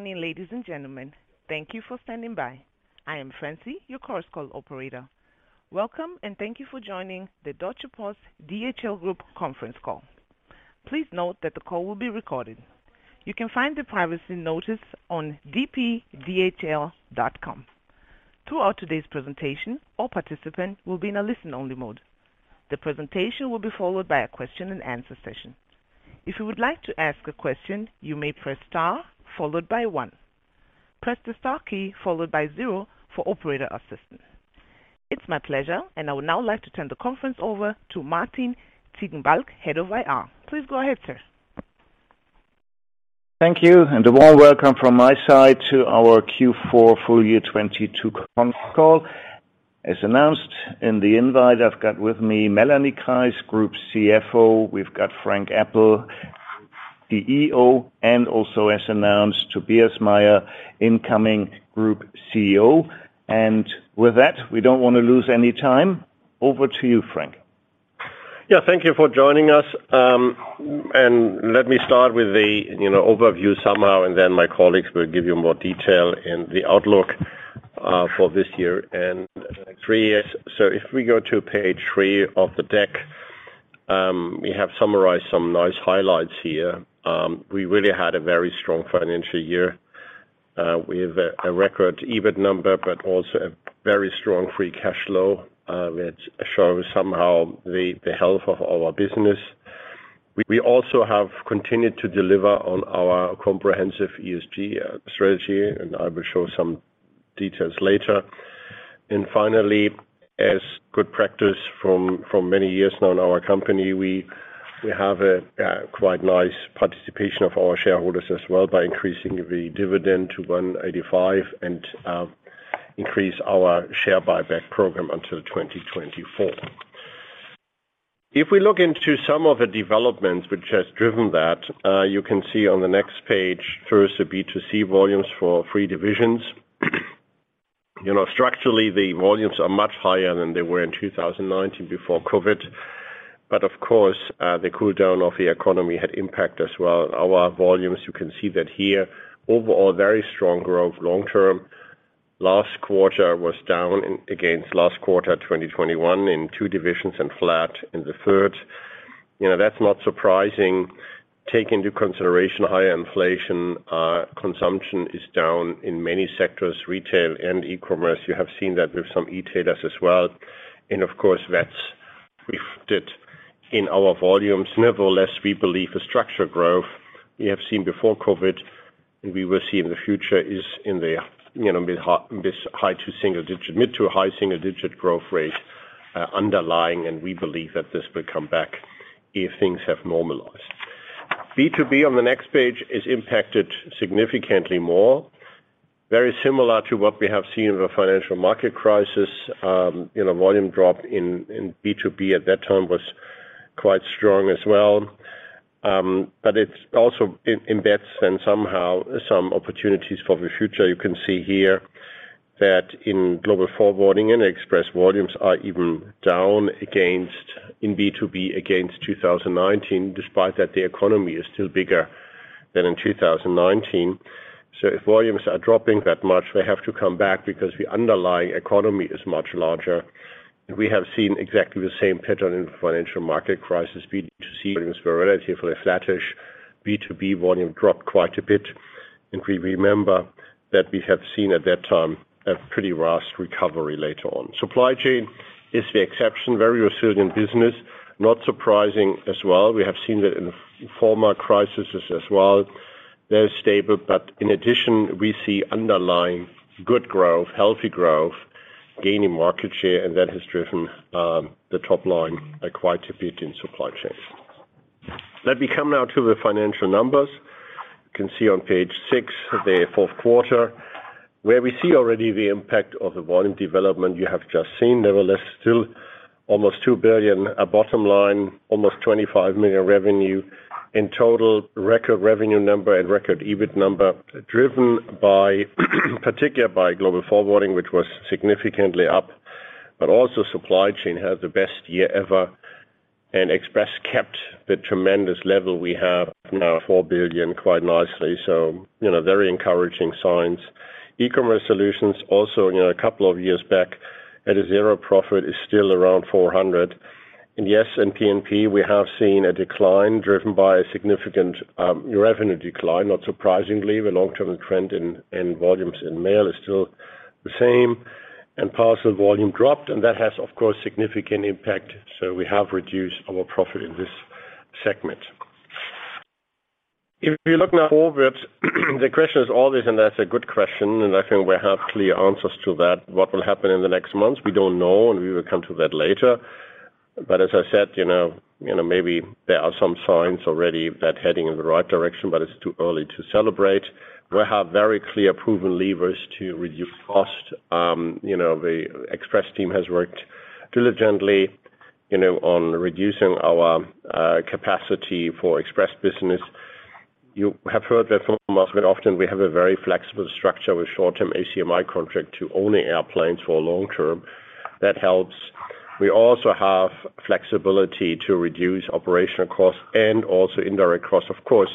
Good morning, ladies and gentlemen. Thank you for standing by. I am Francie, your conference call operator. Welcome and thank you for joining the Deutsche Post DHL Group Conference Call. Please note that the call will be recorded. You can find the privacy notice on dpdhl.com. Throughout today's presentation, all participants will be in a listen-only mode. The presentation will be followed by a question-and-answer session. If you would like to ask a question, you may press star one. Press star zero for operator assistance. It's my pleasure, and I would now like to turn the conference over to Martin Ziegenbalg, Head of IR. Please go ahead, sir. Thank you. A warm welcome from my side to our Q4 full year 2022 conference call. As announced in the invite, I've got with me Melanie Kreis, Group CFO, we've got Frank Appel, the CEO, and also as announced, Tobias Meyer, incoming Group CEO. With that, we don't wanna lose any time. Over to you, Frank. Yeah, thank you for joining us. Let me start with the, you know, overview somehow, and then my colleagues will give you more detail in the outlook for this year and the next three years. If we go to page 3 of the deck, we have summarized some nice highlights here. We really had a very strong financial year. We have a record EBIT number, but also a very strong free cash flow, which shows somehow the health of our business. We also have continued to deliver on our comprehensive ESG strategy, I will show some details later. Finally, as good practice from many years now in our company, we have a quite nice participation of our shareholders as well by increasing the dividend to 1.85 and increase our share buyback program until 2024. If we look into some of the developments which has driven that, you can see on the next page through the B2C volumes for 3 divisions. You know, structurally, the volumes are much higher than they were in 2019 before COVID. Of course, the cooldown of the economy had impact as well. Our volumes, you can see that here, overall very strong growth long term. Last quarter was down against last quarter, 2021 in 2 divisions and flat in the third. You know, that's not surprising. Take into consideration higher inflation, consumption is down in many sectors, retail and e-commerce. You have seen that with some e-tailers as well. Of course, that's reflected in our volumes. Nevertheless, we believe the structure growth we have seen before COVID and we will see in the future is in the, you know, mid to high single digit growth rate underlying. We believe that this will come back if things have normalized. B2B on the next page is impacted significantly more. Very similar to what we have seen in the financial market crisis, you know, volume drop in B2B at that time was quite strong as well. It also embeds then somehow some opportunities for the future. You can see here that in Global Forwarding and Express volumes are even down against in B2B against 2019, despite that the economy is still bigger than in 2019. If volumes are dropping that much, they have to come back because the underlying economy is much larger. We have seen exactly the same pattern in financial market crisis. B2C was relatively flattish. B2B volume dropped quite a bit. We remember that we have seen at that time a pretty vast recovery later on. Supply Chain is the exception. Very resilient business. Not surprising as well. We have seen that in former crises as well. They're stable, but in addition, we see underlying good growth, healthy growth, gaining market share, and that has driven the top line quite a bit in Supply Chain. Let me come now to the financial numbers. You can see on page 6 the fourth quarter, where we see already the impact of the volume development you have just seen. Nevertheless, still almost 2 billion, a bottom line, almost 25 million revenue. In total, record revenue number and record EBIT number driven by, particularly by Global Forwarding, which was significantly up. Also Supply Chain had the best year ever, and Express kept the tremendous level we have now, 4 billion quite nicely. You know, very encouraging signs. E-commerce solutions also, you know, a couple of years back at a zero profit is still around 400. Yes, in P&P, we have seen a decline driven by a significant revenue decline, not surprisingly. The long-term trend in volumes in mail is still the same. Parcel volume dropped, and that has, of course, significant impact. We have reduced our profit in this segment. If you look now forward, the question is always, and that's a good question, and I think we have clear answers to that. What will happen in the next months? We don't know, and we will come to that later. As I said, you know, maybe there are some signs already that heading in the right direction, but it's too early to celebrate. We have very clear proven levers to reduce cost. you know, the Express team has worked diligently, you know, on reducing our capacity for Express business. You have heard that from us quite often. We have a very flexible structure with short-term ACMI contract to owning airplanes for long term. That helps. We also have flexibility to reduce operational costs and also indirect costs. Of course,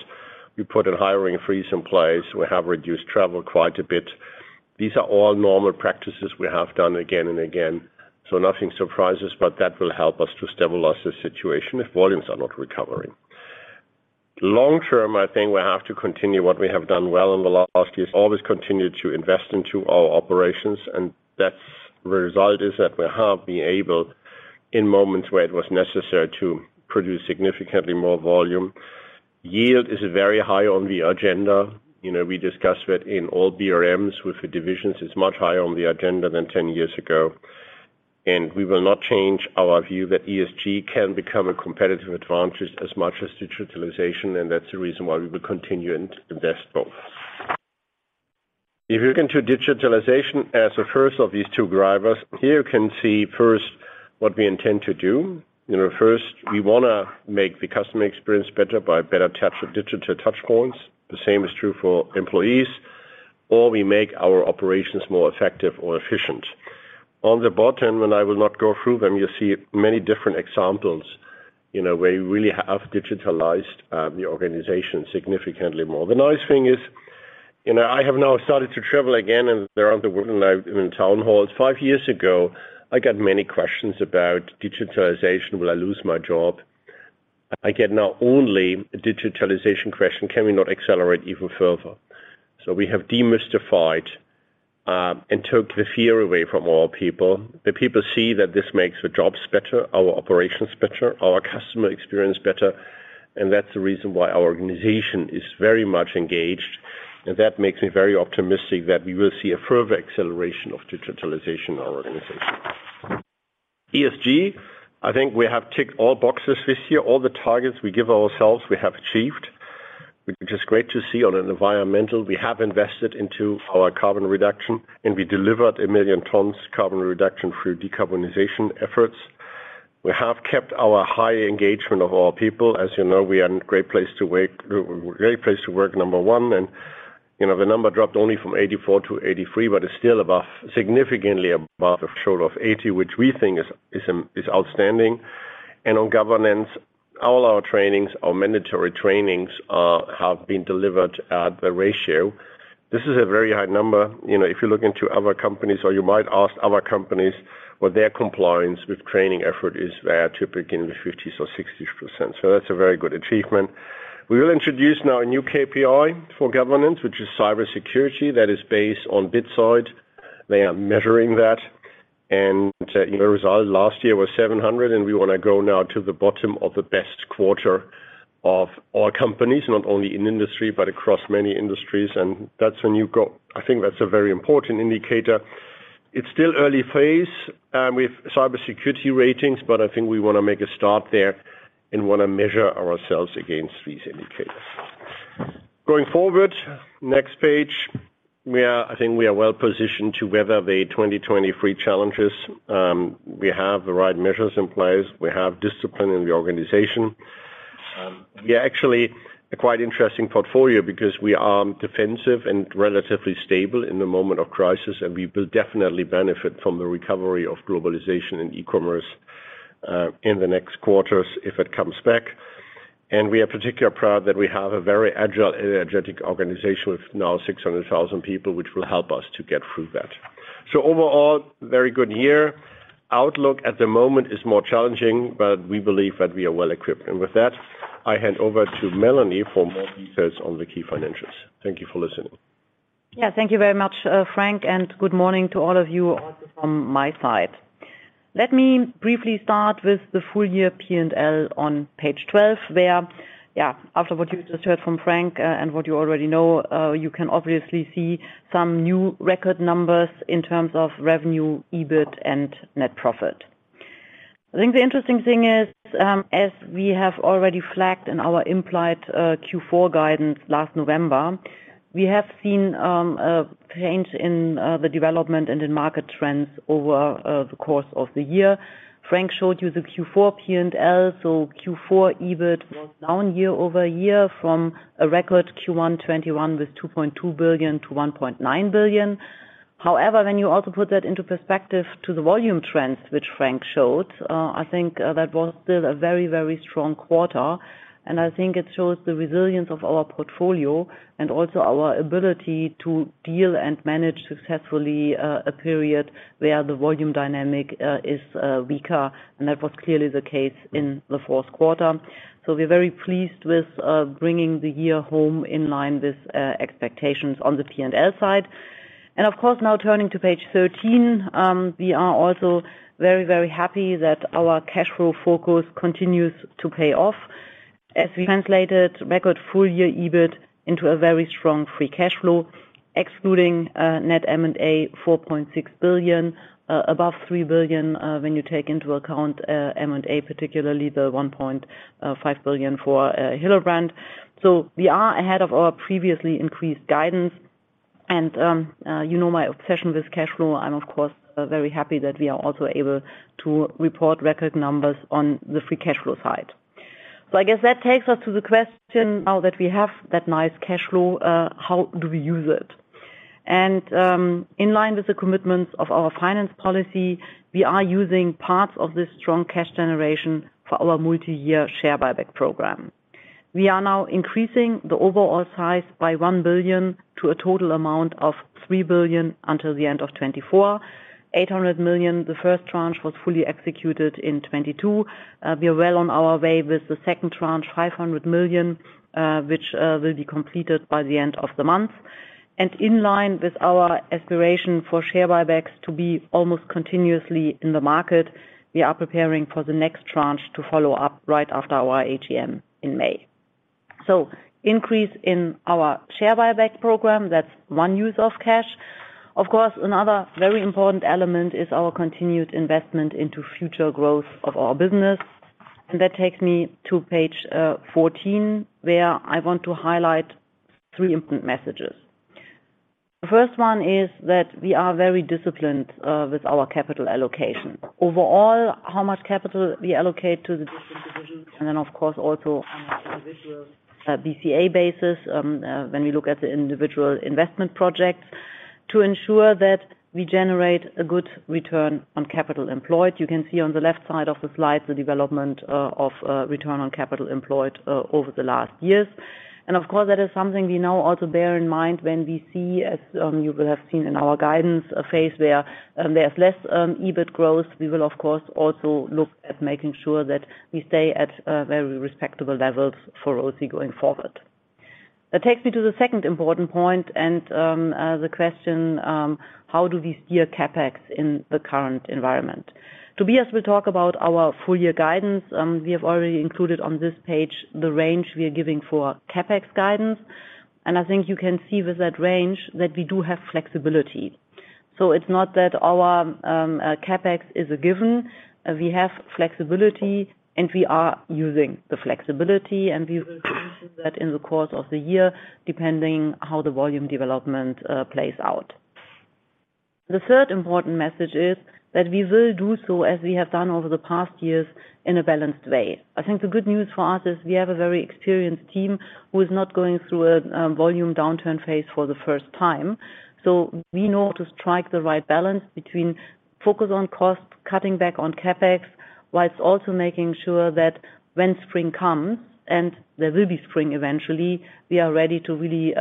we put a hiring freeze in place. We have reduced travel quite a bit. These are all normal practices we have done again and again, so nothing surprises, but that will help us to stabilize the situation if volumes are not recovering. Long term, I think we have to continue what we have done well in the last years, always continue to invest into our operations, and that's result is that we have been able, in moments where it was necessary, to produce significantly more volume. Yield is very high on the agenda. You know, we discussed that in all BRMs with the divisions. It's much higher on the agenda than 10 years ago. We will not change our view that ESG can become a competitive advantage as much as digitalization, and that's the reason why we will continue to invest both. If you look into digitalization as the first of these two drivers, here you can see first what we intend to do. You know, first, we wanna make the customer experience better by better touch with digital touchpoints. The same is true for employees, or we make our operations more effective or efficient. On the bottom, and I will not go through them, you see many different examples, you know, where we really have digitalized the organization significantly more. The nice thing is, you know, I have now started to travel again, and there are the women live in town halls. Five years ago, I got many questions about digitalization. Will I lose my job? I get now only a digitalization question. Can we not accelerate even further? We have demystified and took the fear away from our people. The people see that this makes the jobs better, our operations better, our customer experience better, that's the reason why our organization is very much engaged. That makes me very optimistic that we will see a further acceleration of digitalization in our organization. ESG, I think we have ticked all boxes this year. All the targets we give ourselves, we have achieved, which is great to see. On environmental, we have invested into our carbon reduction, and we delivered 1 million tons carbon reduction through decarbonization efforts. We have kept our high engagement of our people. As you know, we are in great place to work, number 1. You know, the number dropped only from 84 to 83, but it's still above, significantly above the threshold of 80, which we think is, is outstanding. On governance, all our trainings, our mandatory trainings have been delivered at the ratio. This is a very high number. You know, if you look into other companies, or you might ask other companies what their compliance with training effort is, they are typically in the 50s or 60s%. That's a very good achievement. We will introduce now a new KPI for governance, which is cybersecurity. That is based on Bitsight. They are measuring that. You know, result last year was 700, and we wanna go now to the bottom of the best quarter of all companies, not only in industry, but across many industries. That's a new goal. I think that's a very important indicator. It's still early phase with cybersecurity ratings, but I think we wanna make a start there and wanna measure ourselves against these indicators. Going forward, next page, I think we are well-positioned to weather the 2023 challenges. We have the right measures in place. We have discipline in the organization. We actually a quite interesting portfolio because we are defensive and relatively stable in the moment of crisis. We will definitely benefit from the recovery of globalization and e-commerce in the next quarters if it comes back. We are particularly proud that we have a very agile and energetic organization with now 600,000 people, which will help us to get through that. Overall, very good year. Outlook at the moment is more challenging, but we believe that we are well-equipped. With that, I hand over to Melanie for more details on the key financials. Thank you for listening. Thank you very much, Frank, and good morning to all of you also from my side. Let me briefly start with the full year P&L on page 12, where, after what you just heard from Frank, and what you already know, you can obviously see some new record numbers in terms of revenue, EBIT, and net profit. I think the interesting thing is, as we have already flagged in our implied Q4 guidance last November, we have seen a change in the development and in market trends over the course of the year. Frank showed you the Q4 P&L. Q4 EBIT was down year-over-year from a record Q1 2021 with 2.2 billion to 1.9 billion. When you also put that into perspective to the volume trends which Frank showed, I think, that was still a very, very strong quarter, and I think it shows the resilience of our portfolio and also our ability to deal and manage successfully, a period where the volume dynamic, is, weaker, and that was clearly the case in the fourth quarter. We're very pleased with, bringing the year home in line with, expectations on the P&L side. Now turning to page 13, we are also very, very happy that our cash flow focus continues to pay off as we translated record full year EBIT into a very strong free cash flow, excluding net M&A, 4.6 billion, above 3 billion, when you take into account M&A, particularly the 1.5 billion for Hillebrand. We are ahead of our previously increased guidance. You know my obsession with cash flow, I'm of course very happy that we are also able to report record numbers on the free cash flow side. I guess that takes us to the question now that we have that nice cash flow, how do we use it? In line with the commitments of our finance policy, we are using parts of this strong cash generation for our multiyear share buyback program. We are now increasing the overall size by 1 billion to a total amount of 3 billion until the end of 2024. 800 million, the first tranche was fully executed in 2022. We are well on our way with the second tranche, 500 million, which will be completed by the end of the month. In line with our aspiration for share buybacks to be almost continuously in the market, we are preparing for the next tranche to follow up right after our AGM in May. Increase in our share buyback program, that's one use of cash. Of course, another very important element is our continued investment into future growth of our business. That takes me to page 14, where I want to highlight 3 important messages. The first one is that we are very disciplined with our capital allocation. Overall, how much capital we allocate to the different divisions, and then of course, also on an individual BCA basis, when we look at the individual investment projects to ensure that we generate a good return on capital employed. You can see on the left side of the slide the development of return on capital employed over the last years. Of course, that is something we now also bear in mind when we see, as you will have seen in our guidance, a phase where there's less EBIT growth. We will of course, also look at making sure that we stay at very respectable levels for ROCE going forward. That takes me to the second important point and the question, how do we steer CapEx in the current environment? Tobias will talk about our full-year guidance. We have already included on this page the range we are giving for CapEx guidance. I think you can see with that range that we do have flexibility. It's not that our CapEx is a given. We have flexibility, and we are using the flexibility, and we will continue that in the course of the year, depending how the volume development plays out. The third important message is that we will do so as we have done over the past years in a balanced way. I think the good news for us is we have a very experienced team who is not going through a volume downturn phase for the first time. We know to strike the right balance between focus on cost, cutting back on CapEx, whilst also making sure that when spring comes, and there will be spring eventually, we are ready to really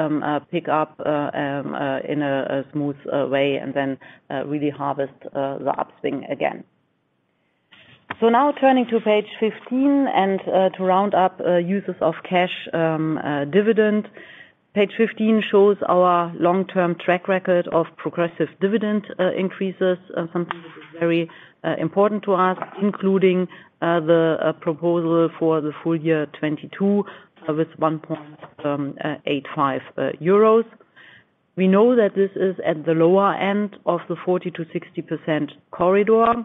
pick up in a smooth way and then really harvest the upswing again. Now turning to page 15 and to round up uses of cash, dividend. Page 15 shows our long-term track record of progressive dividend increases, something that is very important to us, including the proposal for the full year 2022, with 1.85 euros. We know that this is at the lower end of the 40%-60% corridor,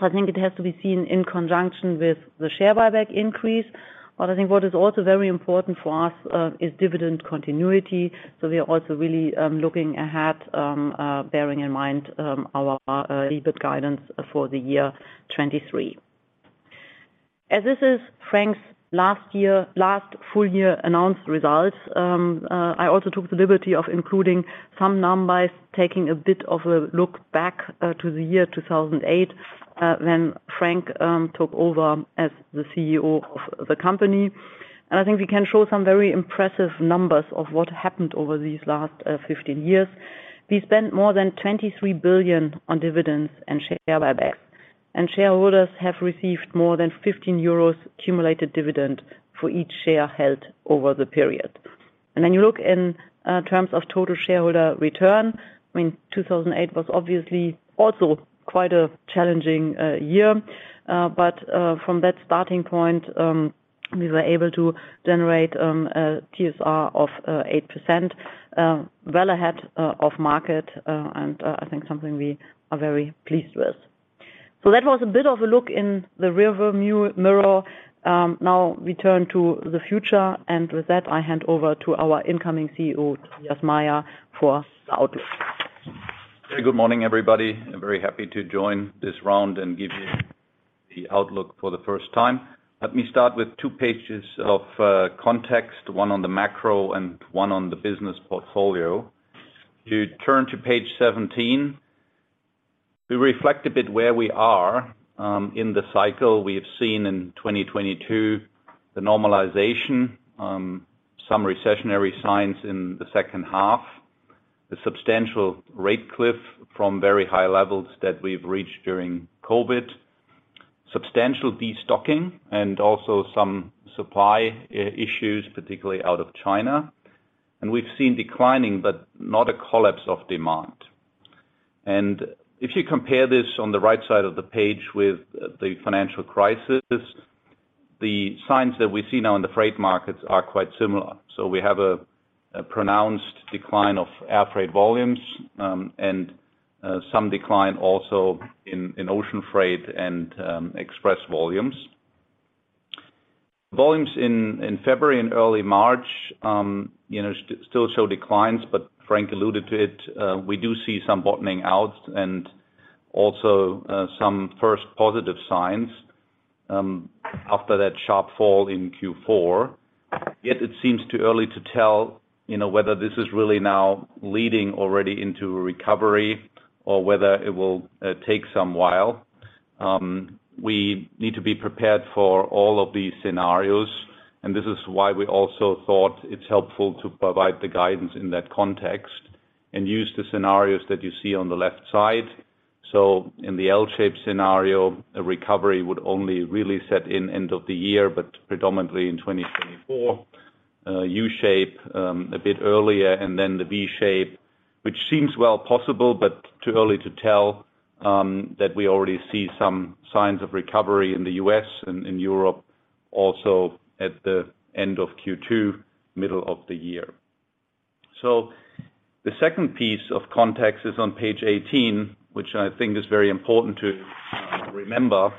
so I think it has to be seen in conjunction with the share buyback increase. I think what is also very important for us is dividend continuity. We are also really looking ahead, bearing in mind our EBIT guidance for the year 2023. As this is Frank's last year, last full year announced results, I also took the liberty of including some numbers, taking a bit of a look back to the year 2008, when Frank took over as the CEO of the company. I think we can show some very impressive numbers of what happened over these last 15 years. We spent more than 23 billion on dividends and share buybacks, and shareholders have received more than 15 euros cumulative dividend for each share held over the period. When you look in terms of total shareholder return, I mean, 2008 was obviously also quite a challenging year. From that starting point, we were able to generate a TSR of 8%, well ahead of market, and I think something we are very pleased with. That was a bit of a look in the rearview mirror. Now we turn to the future, with that, I hand over to our incoming CEO, Tobias Meyer, for the outlook. A very good morning, everybody. I'm very happy to join this round and give you the outlook for the first time. Let me start with two pages of context, one on the macro and one on the business portfolio. If you turn to page 17, we reflect a bit where we are in the cycle. We have seen in 2022 the normalization, some recessionary signs in the second half, a substantial rate cliff from very high levels that we've reached during COVID, substantial destocking, and also some supply issues, particularly out of China. We've seen declining but not a collapse of demand. If you compare this on the right side of the page with the financial crisis, the signs that we see now in the freight markets are quite similar. We have a pronounced decline of air freight volumes, and some decline also in ocean freight and Express volumes. Volumes in February and early March, you know, still show declines, but Frank alluded to it, we do see some bottoming out. Also, some first positive signs after that sharp fall in Q4. Yet it seems too early to tell, you know, whether this is really now leading already into a recovery or whether it will take some while. We need to be prepared for all of these scenarios, and this is why we also thought it's helpful to provide the guidance in that context and use the scenarios that you see on the left side. In the L-shaped scenario, a recovery would only really set in end of the year, but predominantly in 2024. U-shape a bit earlier. Then the V shape, which seems well possible but too early to tell, that we already see some signs of recovery in the U.S. and in Europe also at the end of Q2, middle of the year. The second piece of context is on page 18, which I think is very important to remember.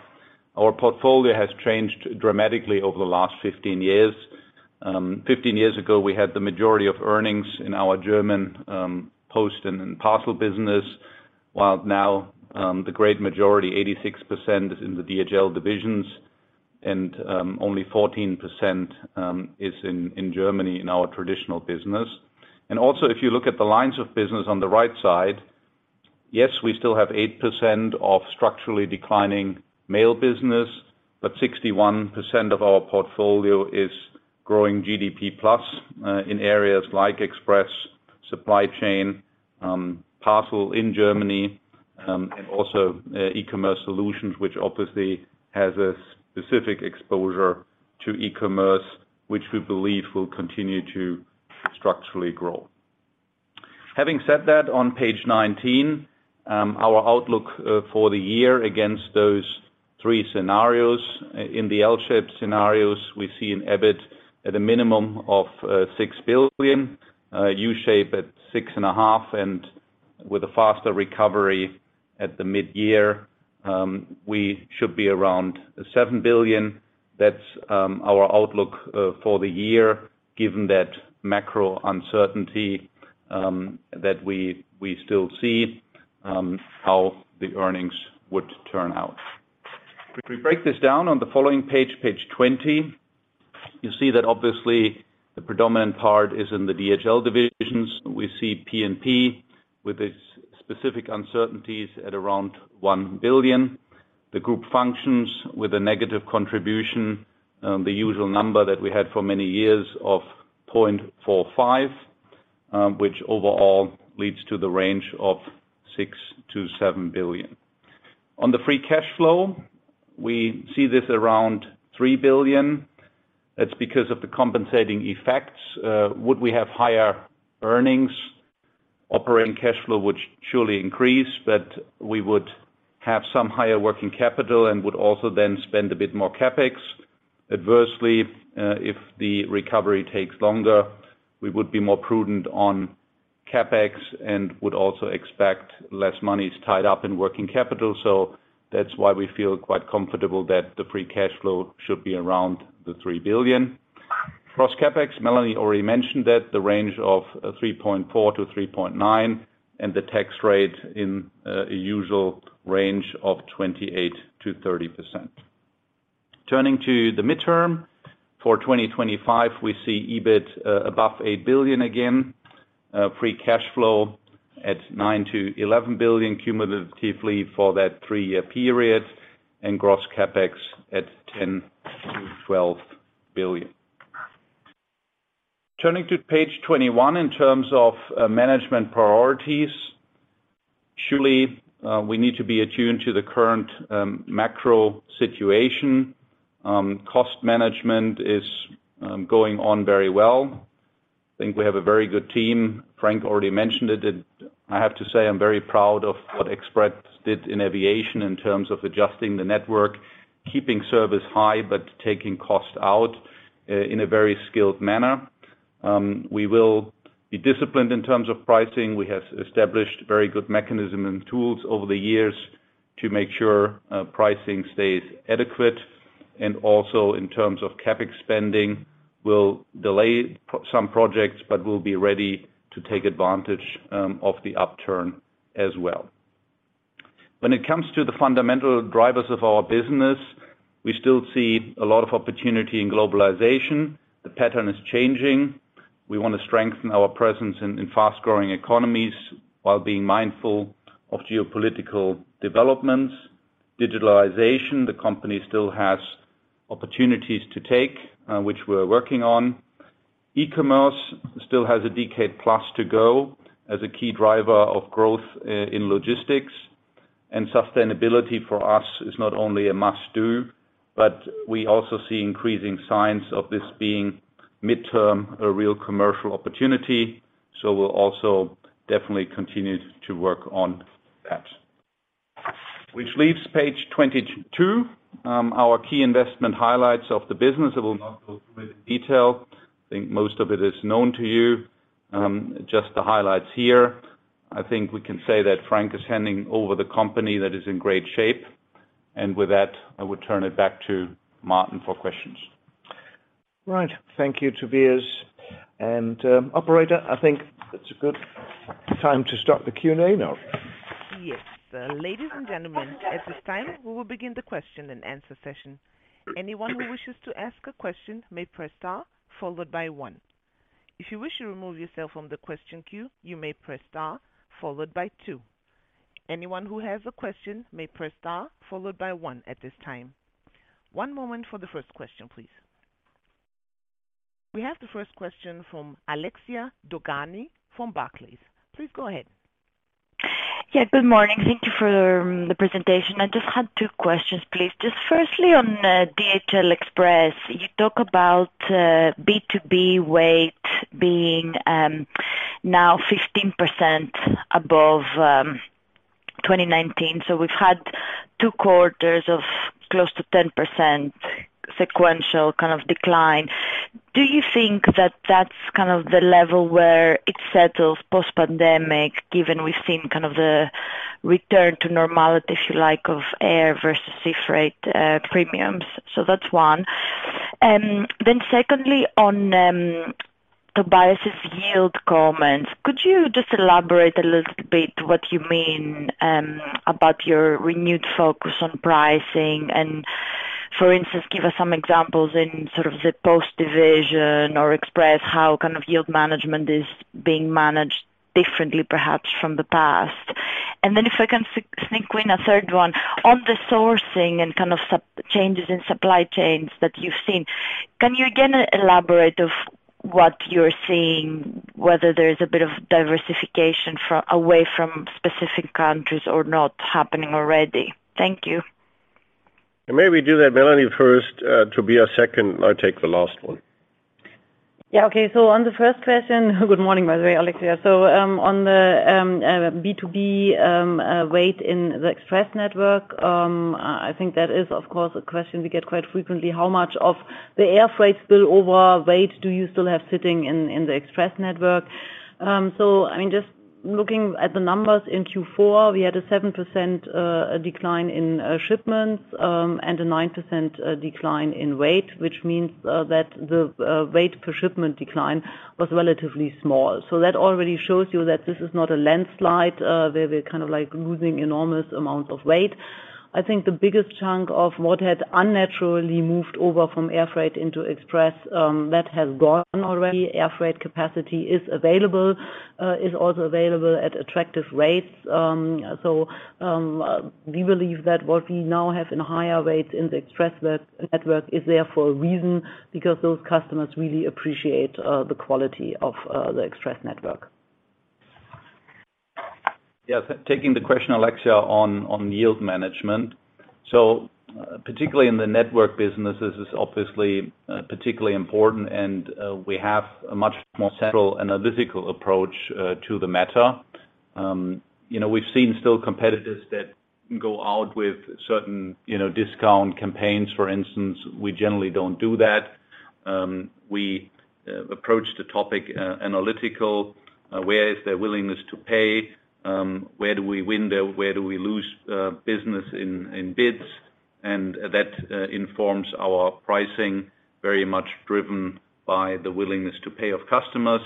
Our portfolio has changed dramatically over the last 15 years. 15 years ago, we had the majority of earnings in our German Post and Parcel business. Now, the great majority, 86% is in the DHL divisions and only 14% is in Germany in our traditional business. Also, if you look at the lines of business on the right side, yes, we still have 8% of structurally declining mail business, but 61% of our portfolio is growing GDP plus, in areas like Express Supply Chain, parcel in Germany, and also e-commerce solutions, which obviously has a specific exposure to e-commerce, which we believe will continue to structurally grow. Having said that, on page 19, our outlook for the year against those three scenarios. In the L-shaped scenarios, we see an EBIT at a minimum of 6 billion, U shape at 6 and a half billion, and with a faster recovery at the midyear, we should be around 7 billion. That's our outlook for the year, given that macro uncertainty that we still see how the earnings would turn out. If we break this down on the following page 20, you see that obviously the predominant part is in the DHL divisions. We see P&P with its specific uncertainties at around 1 billion. The group functions with a negative contribution, the usual number that we had for many years of 0.45, which overall leads to the range of 6 billion-7 billion. On the free cash flow, we see this around 3 billion. That's because of the compensating effects. Would we have higher earnings? Operating cash flow would surely increase, but we would have some higher working capital and would also then spend a bit more CapEx. Adversely, if the recovery takes longer, we would be more prudent on CapEx and would also expect less money is tied up in working capital. That's why we feel quite comfortable that the free cash flow should be around 3 billion. Gross CapEx, Melanie already mentioned that the range of 3.4 billion-3.9 billion and the tax rate in a usual range of 28%-30%. Turning to the midterm for 2025, we see EBIT above 8 billion again, free cash flow at 9 billion-11 billion cumulatively for that three-year period and gross CapEx at 10 billion-12 billion. Turning to page 21 in terms of management priorities. Surely, we need to be attuned to the current macro situation. Cost management is going on very well. I think we have a very good team. Frank already mentioned it. I have to say, I'm very proud of what Express did in aviation in terms of adjusting the network, keeping service high, but taking cost out in a very skilled manner. We will be disciplined in terms of pricing. We have established very good mechanism and tools over the years to make sure pricing stays adequate. Also in terms of CapEx spending, we'll delay some projects, but we'll be ready to take advantage of the upturn as well. When it comes to the fundamental drivers of our business, we still see a lot of opportunity in globalization. The pattern is changing. We wanna strengthen our presence in fast-growing economies while being mindful of geopolitical developments. Digitalization. The company still has opportunities to take, which we're working on. E-commerce still has a decade plus to go as a key driver of growth in logistics. Sustainability for us is not only a must-do, but we also see increasing signs of this being midterm, a real commercial opportunity. We'll also definitely continue to work on that. Which leaves page 22, our key investment highlights of the business. I will not go through it in detail. I think most of it is known to you. Just the highlights here. I think we can say that Frank is handing over the company that is in great shape. With that, I would turn it back to Martin for questions. Right. Thank you, Tobias. Operator, I think it's a good time to start the Q&A now. Yes. Ladies and gentlemen, at this time, we will begin the question and answer session. Anyone who wishes to ask a question may press star followed by one. If you wish to remove yourself from the question queue, you may press star followed by two. Anyone who has a question may press star followed by one at this time. One moment for the first question, please. We have the first question from Alexia Dogani from Barclays. Please go ahead. Good morning. Thank you for the presentation. I just had two questions, please. Firstly, on DHL Express, you talk about B2B weight being now 15% above 2019. We've had two quarters of close to 10% sequential kind of decline. Do you think that that's kind of the level where it settles post-pandemic, given we've seen kind of the return to normality, if you like, of air versus sea freight, premiums? That's one. Secondly, on Tobias' yield comments, could you just elaborate a little bit what you mean about your renewed focus on pricing? For instance, give us some examples in sort of the Post Division or Express how kind of yield management is being managed differently perhaps from the past. If I can sneak in a third one, on the sourcing and kind of changes in supply chains that you've seen, can you again elaborate of what you're seeing, whether there's a bit of diversification away from specific countries or not happening already? Thank you. Maybe do that Melanie first, Tobias second, I'll take the last one. Yeah, okay. On the first question. Good morning, by the way, Alexia. On the B2B weight in the Express network, I think that is, of course, a question we get quite frequently. How much of the air freight spillover weight do you still have sitting in the Express network? I mean, just looking at the numbers in Q4, we had a 7% decline in shipments, and a 9% decline in weight, which means that the weight per shipment decline was relatively small. That already shows you that this is not a landslide, where we're kind of like losing enormous amounts of weight. I think the biggest chunk of what had unnaturally moved over from air freight into Express, that has gone already. Air freight capacity is available, is also available at attractive rates. We believe that what we now have in higher rates in the Express network is there for a reason, because those customers really appreciate the quality of the Express network. Taking the question, Alexia, on yield management. Particularly in the network businesses, is obviously particularly important, and we have a much more central analytical approach to the matter. You know, we've seen still competitors that go out with certain, you know, discount campaigns, for instance. We generally don't do that. We approach the topic analytical. Where is their willingness to pay? Where do we win, where do we lose business in bids? That informs our pricing, very much driven by the willingness to pay of customers.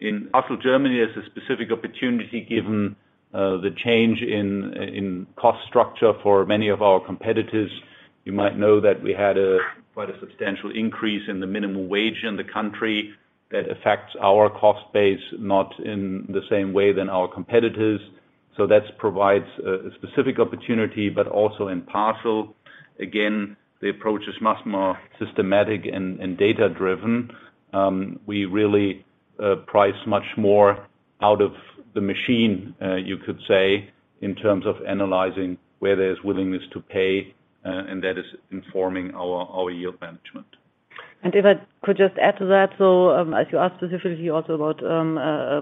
In parts of Germany, there's a specific opportunity given the change in cost structure for many of our competitors. You might know that we had quite a substantial increase in the minimum wage in the country. That affects our cost base, not in the same way than our competitors. That provides a specific opportunity, but also in Parcel. Again, the approach is much more systematic and data-driven. We really price much more out of the machine, you could say, in terms of analyzing where there's willingness to pay, and that is informing our yield management. If I could just add to that, as you asked specifically also about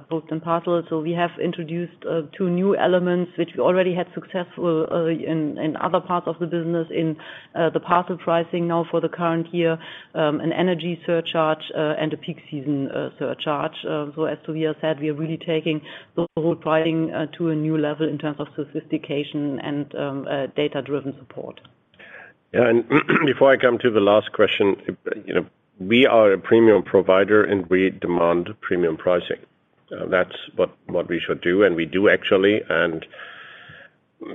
both in Parcel. We have introduced two new elements which we already had successful in other parts of the business in the Parcel pricing now for the current year, an energy surcharge and a peak season surcharge. As Tobias said, we are really taking the whole pricing to a new level in terms of sophistication and data-driven support. Yeah. Before I come to the last question, you know, we are a premium provider, and we demand premium pricing. That's what we should do, and we do actually.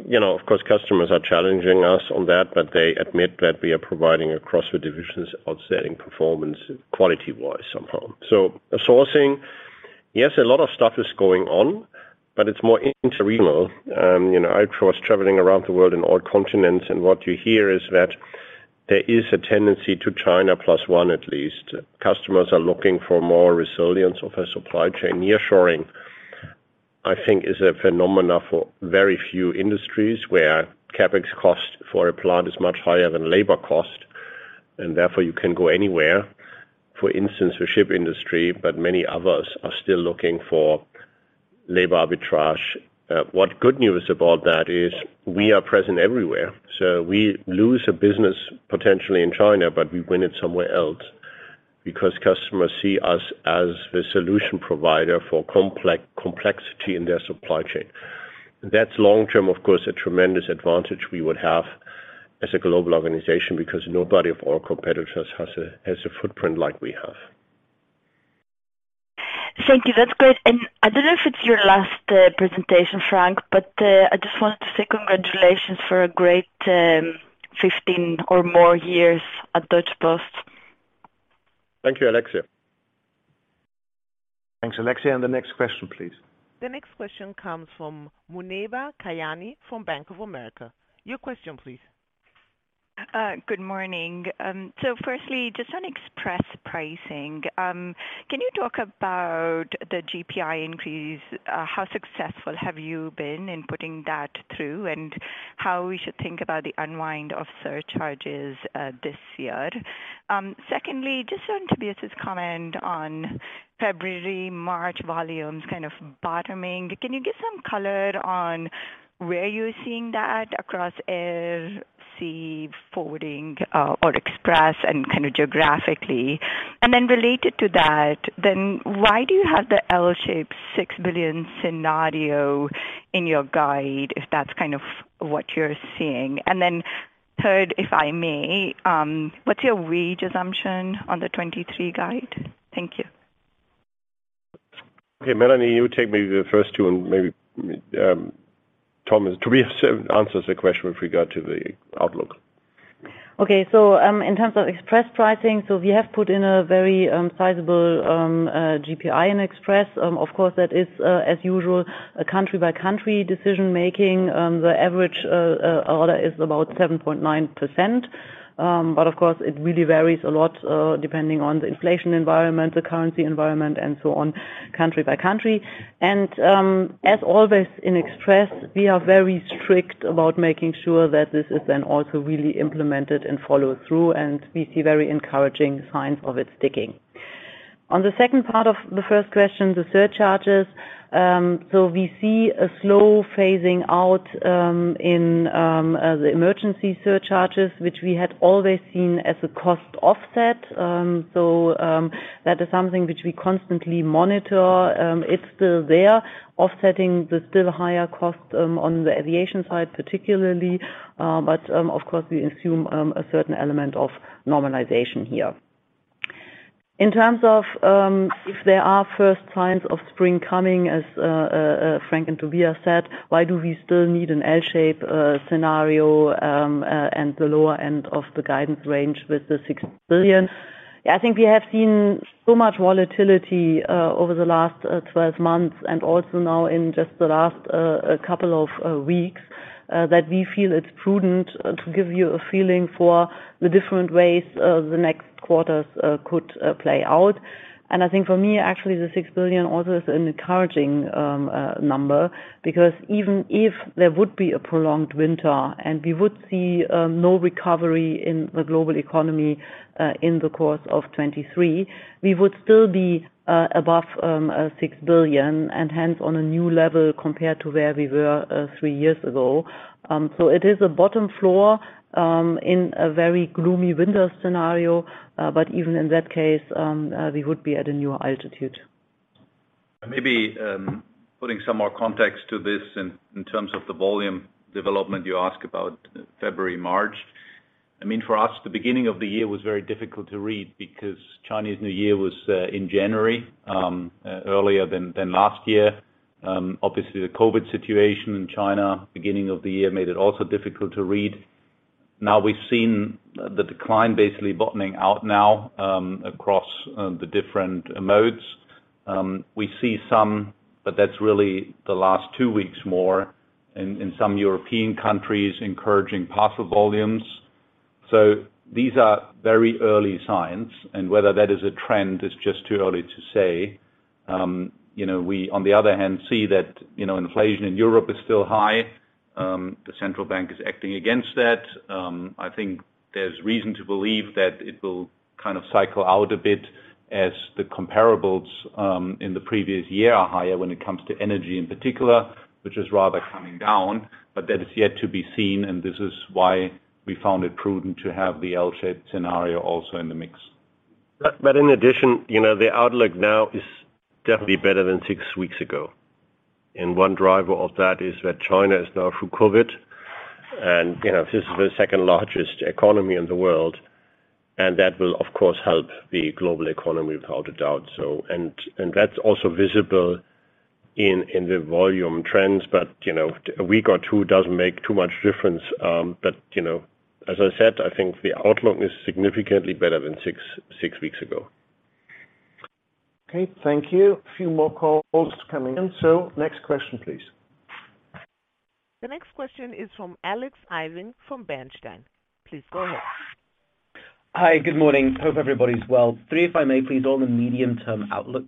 You know, of course, customers are challenging us on that, but they admit that we are providing across the divisions outstanding performance quality-wise somehow. Sourcing, yes, a lot of stuff is going on, but it's more internal. You know, I was traveling around the world in all continents, and what you hear is that there is a tendency to China plus one at least. Customers are looking for more resilience of a supply chain. Nearshoring, I think, is a phenomena for very few industries where CapEx cost for a plant is much higher than labor cost, and therefore, you can go anywhere. For instance, the ship industry, but many others are still looking for labor arbitrage. What good news about that is we are present everywhere, so we lose a business potentially in China, but we win it somewhere else because customers see us as the solution provider for complexity in their supply chain. That's long-term, of course, a tremendous advantage we would have as a global organization because nobody of our competitors has a footprint like we have. Thank you. That's great. I don't know if it's your last presentation, Frank, but I just wanted to say congratulations for a great 15 or more years at Deutsche Post. Thank you, Alexia. Thanks, Alexia. The next question, please. The next question comes from Muneeba Kayani from Bank of America. Your question please. Good morning. Firstly, just on Express pricing. Can you talk about the GPI increase? How successful have you been in putting that through, and how we should think about the unwind of surcharges this year? Secondly, just on Tobias' comment on February, March volumes kind of bottoming. Can you give some color on where you're seeing that across air, sea, Global Forwarding, or Express and kind of geographically? Related to that, why do you have the L-shape 6 billion scenario in your guide, if that's kind of what you're seeing? Third, if I may, what's your wage assumption on the 2023 guide? Thank you. Okay. Melanie, you take maybe the first two and maybe, Thomas, Tobias, answers the question with regard to the outlook. Okay. In terms of Express pricing, we have put in a very sizable GRI in Express. Of course, that is, as usual, a country-by-country decision-making. The average order is about 7.9%. Of course, it really varies a lot, depending on the inflation environment, the currency environment and so on, country-by-country. As always in Express, we are very strict about making sure that this is then also really implemented and followed through, and we see very encouraging signs of it sticking. On the second part of the first question, the surcharges. We see a slow phasing out in the emergency surcharges, which we had always seen as a cost offset. That is something which we constantly monitor. It's still there offsetting the still higher cost on the aviation side, particularly. Of course, we assume a certain element of normalization here. In terms of, if there are first signs of spring coming, as Frank and Tobias said, why do we still need an L-shape scenario and the lower end of the guidance range with the 6 billion? I think we have seen so much volatility over the last 12 months and also now in just the last couple of weeks that we feel it's prudent to give you a feeling for the different ways the next quarters could play out. I think for me, actually the 6 billion also is an encouraging number because even if there would be a prolonged winter and we would see no recovery in the global economy in the course of 2023, we would still be above 6 billion and hence on a new level compared to where we were three years ago. It is a bottom floor in a very gloomy winter scenario, but even in that case, we would be at a newer altitude. Maybe, putting some more context to this in terms of the volume development you ask about February, March. I mean, for us, the beginning of the year was very difficult to read because Chinese New Year was in January, earlier than last year. Obviously the COVID situation in China beginning of the year made it also difficult to read. Now we've seen the decline basically bottoming out now, across the different modes. We see some, but that's really the last two weeks more in some European countries encouraging parcel volumes. These are very early signs, and whether that is a trend is just too early to say. You know, we on the other hand, see that, you know, inflation in Europe is still high. The central bank is acting against that. I think there's reason to believe that it will kind of cycle out a bit as the comparables, in the previous year are higher when it comes to energy in particular, which is rather coming down. That is yet to be seen, and this is why we found it prudent to have the L-shaped scenario also in the mix. In addition, you know, the outlook now is definitely better than six weeks ago. One driver of that is that China is now through COVID and, you know, this is the second largest economy in the world, and that will, of course, help the global economy without a doubt. That's also visible in the volume trends, you know, a week or two doesn't make too much difference. You know, as I said, I think the outlook is significantly better than six weeks ago. Okay. Thank you. A few more calls coming in. Next question, please. The next question is from Alex Irving from Bernstein. Please go ahead. Hi. Good morning. Hope everybody's well. Three, if I may please, on the medium-term outlook.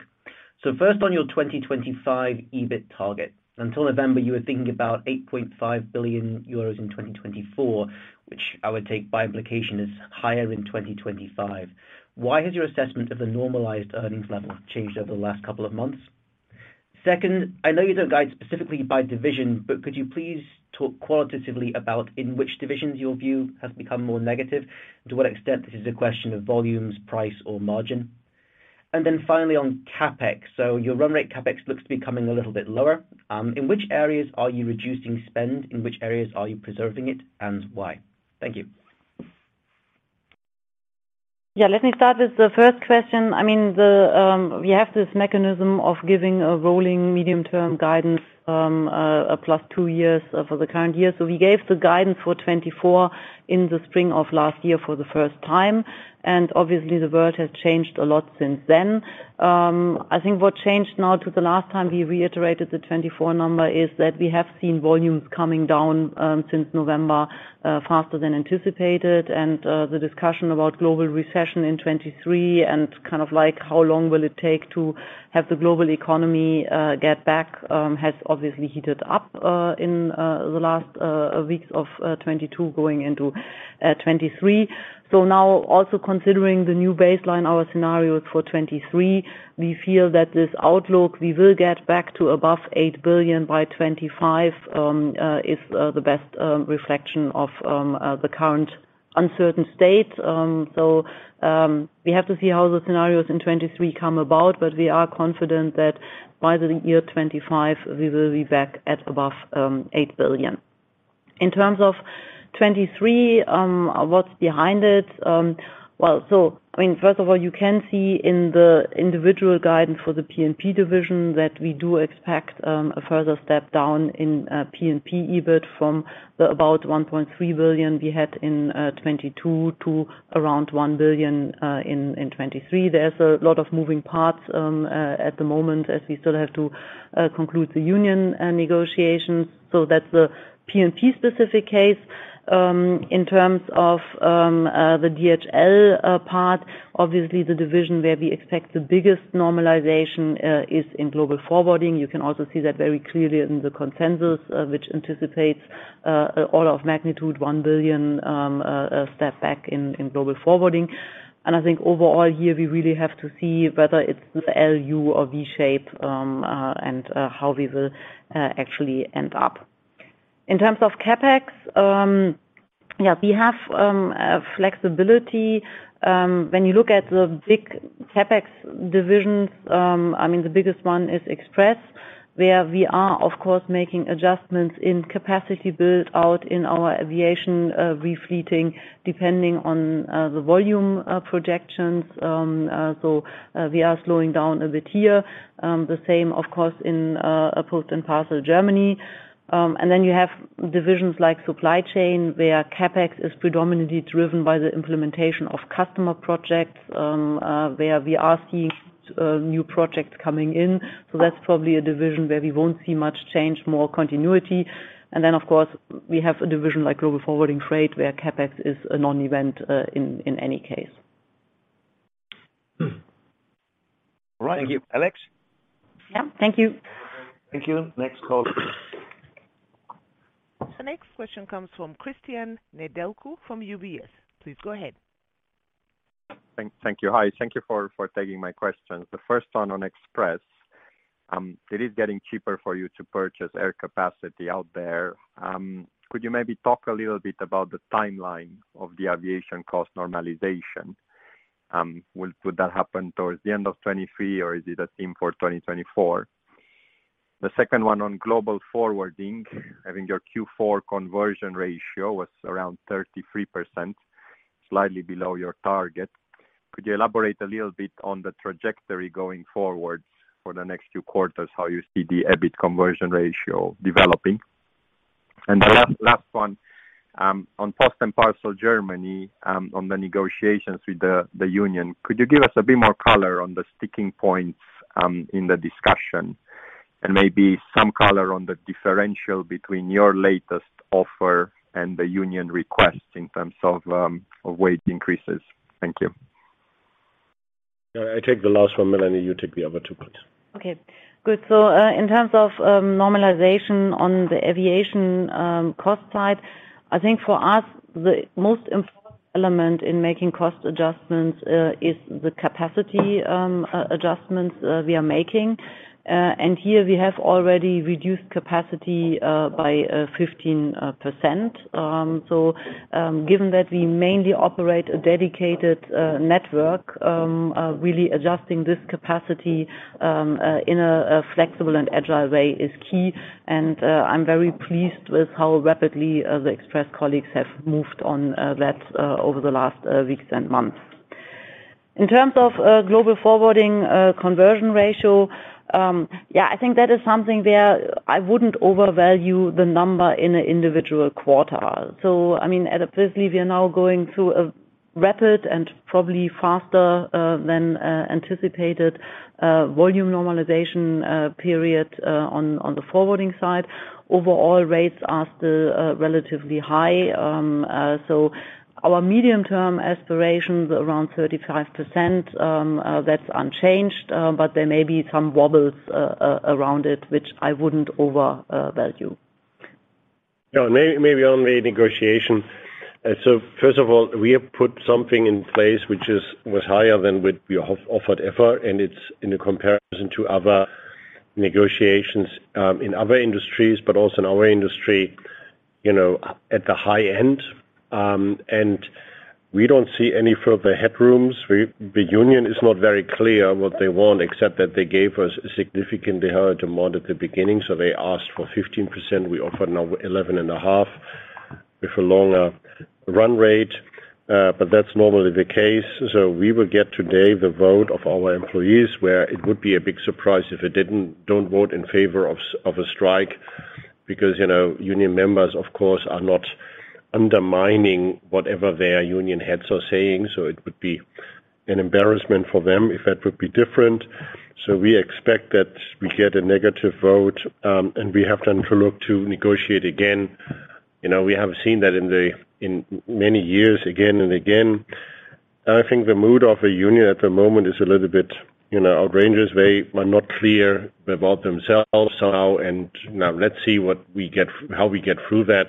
First on your 2025 EBIT target. Until November, you were thinking about 8.5 billion euros in 2024, which I would take by implication is higher in 2025. Why has your assessment of the normalized earnings level changed over the last couple of months? Second, I know you don't guide specifically by division, but could you please talk qualitatively about in which divisions your view has become more negative? To what extent this is a question of volumes, price or margin? Finally on CapEx. Your run rate CapEx looks to be coming a little bit lower. In which areas are you reducing spend? In which areas are you preserving it, and why? Thank you. Yeah, let me start with the first question. I mean, we have this mechanism of giving a rolling medium-term guidance, plus two years for the current year. We gave the guidance for 2024 in the spring of last year for the first time, and obviously the world has changed a lot since then. I think what changed now to the last time we reiterated the 2024 number is that we have seen volumes coming down since November faster than anticipated, and the discussion about global recession in 2023 and kind of, like, how long will it take to have the global economy get back has obviously heated up in the last weeks of 2022 going into 2023. Now also considering the new baseline, our scenario for 2023, we feel that this outlook we will get back to above 8 billion by 2025 is the best reflection of the current uncertain state. We have to see how the scenarios in 2023 come about, but we are confident that by the year 2025 we will be back at above 8 billion. In terms of 2023, what's behind it? I mean, first of all, you can see in the individual guidance for the P&P division that we do expect a further step down in P&P EBIT from the about 1.3 billion we had in 2022 to around 1 billion in 2023. There's a lot of moving parts at the moment as we still have to conclude the union negotiations. That's the P&P specific case. In terms of the DHL part, obviously the division where we expect the biggest normalization is in Global Forwarding. You can also see that very clearly in the consensus, which anticipates order of magnitude 1 billion a step back in Global Forwarding. I think overall here we really have to see whether it's the L, U or V shape and how we will actually end up. In terms of CapEx, yeah, we have flexibility. When you look at the big CapEx divisions, I mean, the biggest one is Express, where we are, of course, making adjustments in capacity build out in our aviation, refleeting depending on the volume projections. We are slowing down a bit here. The same, of course, in Post and Parcel Germany. You have divisions like Supply Chain, where CapEx is predominantly driven by the implementation of customer projects, where we are seeing new projects coming in. That's probably a division where we won't see much change, more continuity. Of course, we have a division like Global Forwarding, Freight, where CapEx is a non-event in any case. All right. Thank you. Alex? Yeah. Thank you. Thank you. Next call. The next question comes from Cristian Nedelcu from UBS. Please go ahead. Thank you. Hi, thank you for taking my question. The first one on Express. It is getting cheaper for you to purchase air capacity out there. Could you maybe talk a little bit about the timeline of the aviation cost normalization? Would that happen towards the end of 2023, or is it a theme for 2024? The second one on Global Forwarding. I think your Q4 conversion ratio was around 33%, slightly below your target. Could you elaborate a little bit on the trajectory going forward for the next few quarters, how you see the EBIT conversion ratio developing? The last one on Post and Parcel Germany, on the negotiations with the union. Could you give us a bit more color on the sticking points in the discussion? maybe some color on the differential between your latest offer and the union request in terms of wage increases. Thank you. Yeah, I take the last one, Melanie. You take the other two points. Okay. Good. In terms of normalization on the aviation cost side, I think for us, the most important element in making cost adjustments, is the capacity adjustments we are making. Here we have already reduced capacity by 15%. Given that we mainly operate a dedicated network, really adjusting this capacity in a flexible and agile way is key. I'm very pleased with how rapidly the Express colleagues have moved on that over the last weeks and months. In terms of Global Forwarding conversion ratio, yeah, I think that is something where I wouldn't overvalue the number in an individual quarter. I mean, firstly, we are now going through a rapid and probably faster than anticipated volume normalization period on the forwarding side. Overall rates are still relatively high. Our medium-term aspirations around 35% that's unchanged. There may be some wobbles around it, which I wouldn't over value. Maybe on the negotiation. First of all, we have put something in place which was higher than what we have offered ever, and it's in a comparison to other negotiations in other industries, but also in our industry. You know, at the high end, we don't see any further headrooms. The union is not very clear what they want, except that they gave us significantly higher demand at the beginning. They asked for 15%, we offered now 11 and a half with a longer run rate, but that's normally the case. We will get today the vote of our employees, where it would be a big surprise if it didn't vote in favor of a strike. You know, union members, of course, are not undermining whatever their union heads are saying, so it would be an embarrassment for them if that would be different. We expect that we get a negative vote, and we have then to look to negotiate again. You know, we have seen that in many years again and again. I think the mood of the union at the moment is a little bit, you know, outrageous. They are not clear about themselves how, and now let's see what we get, how we get through that.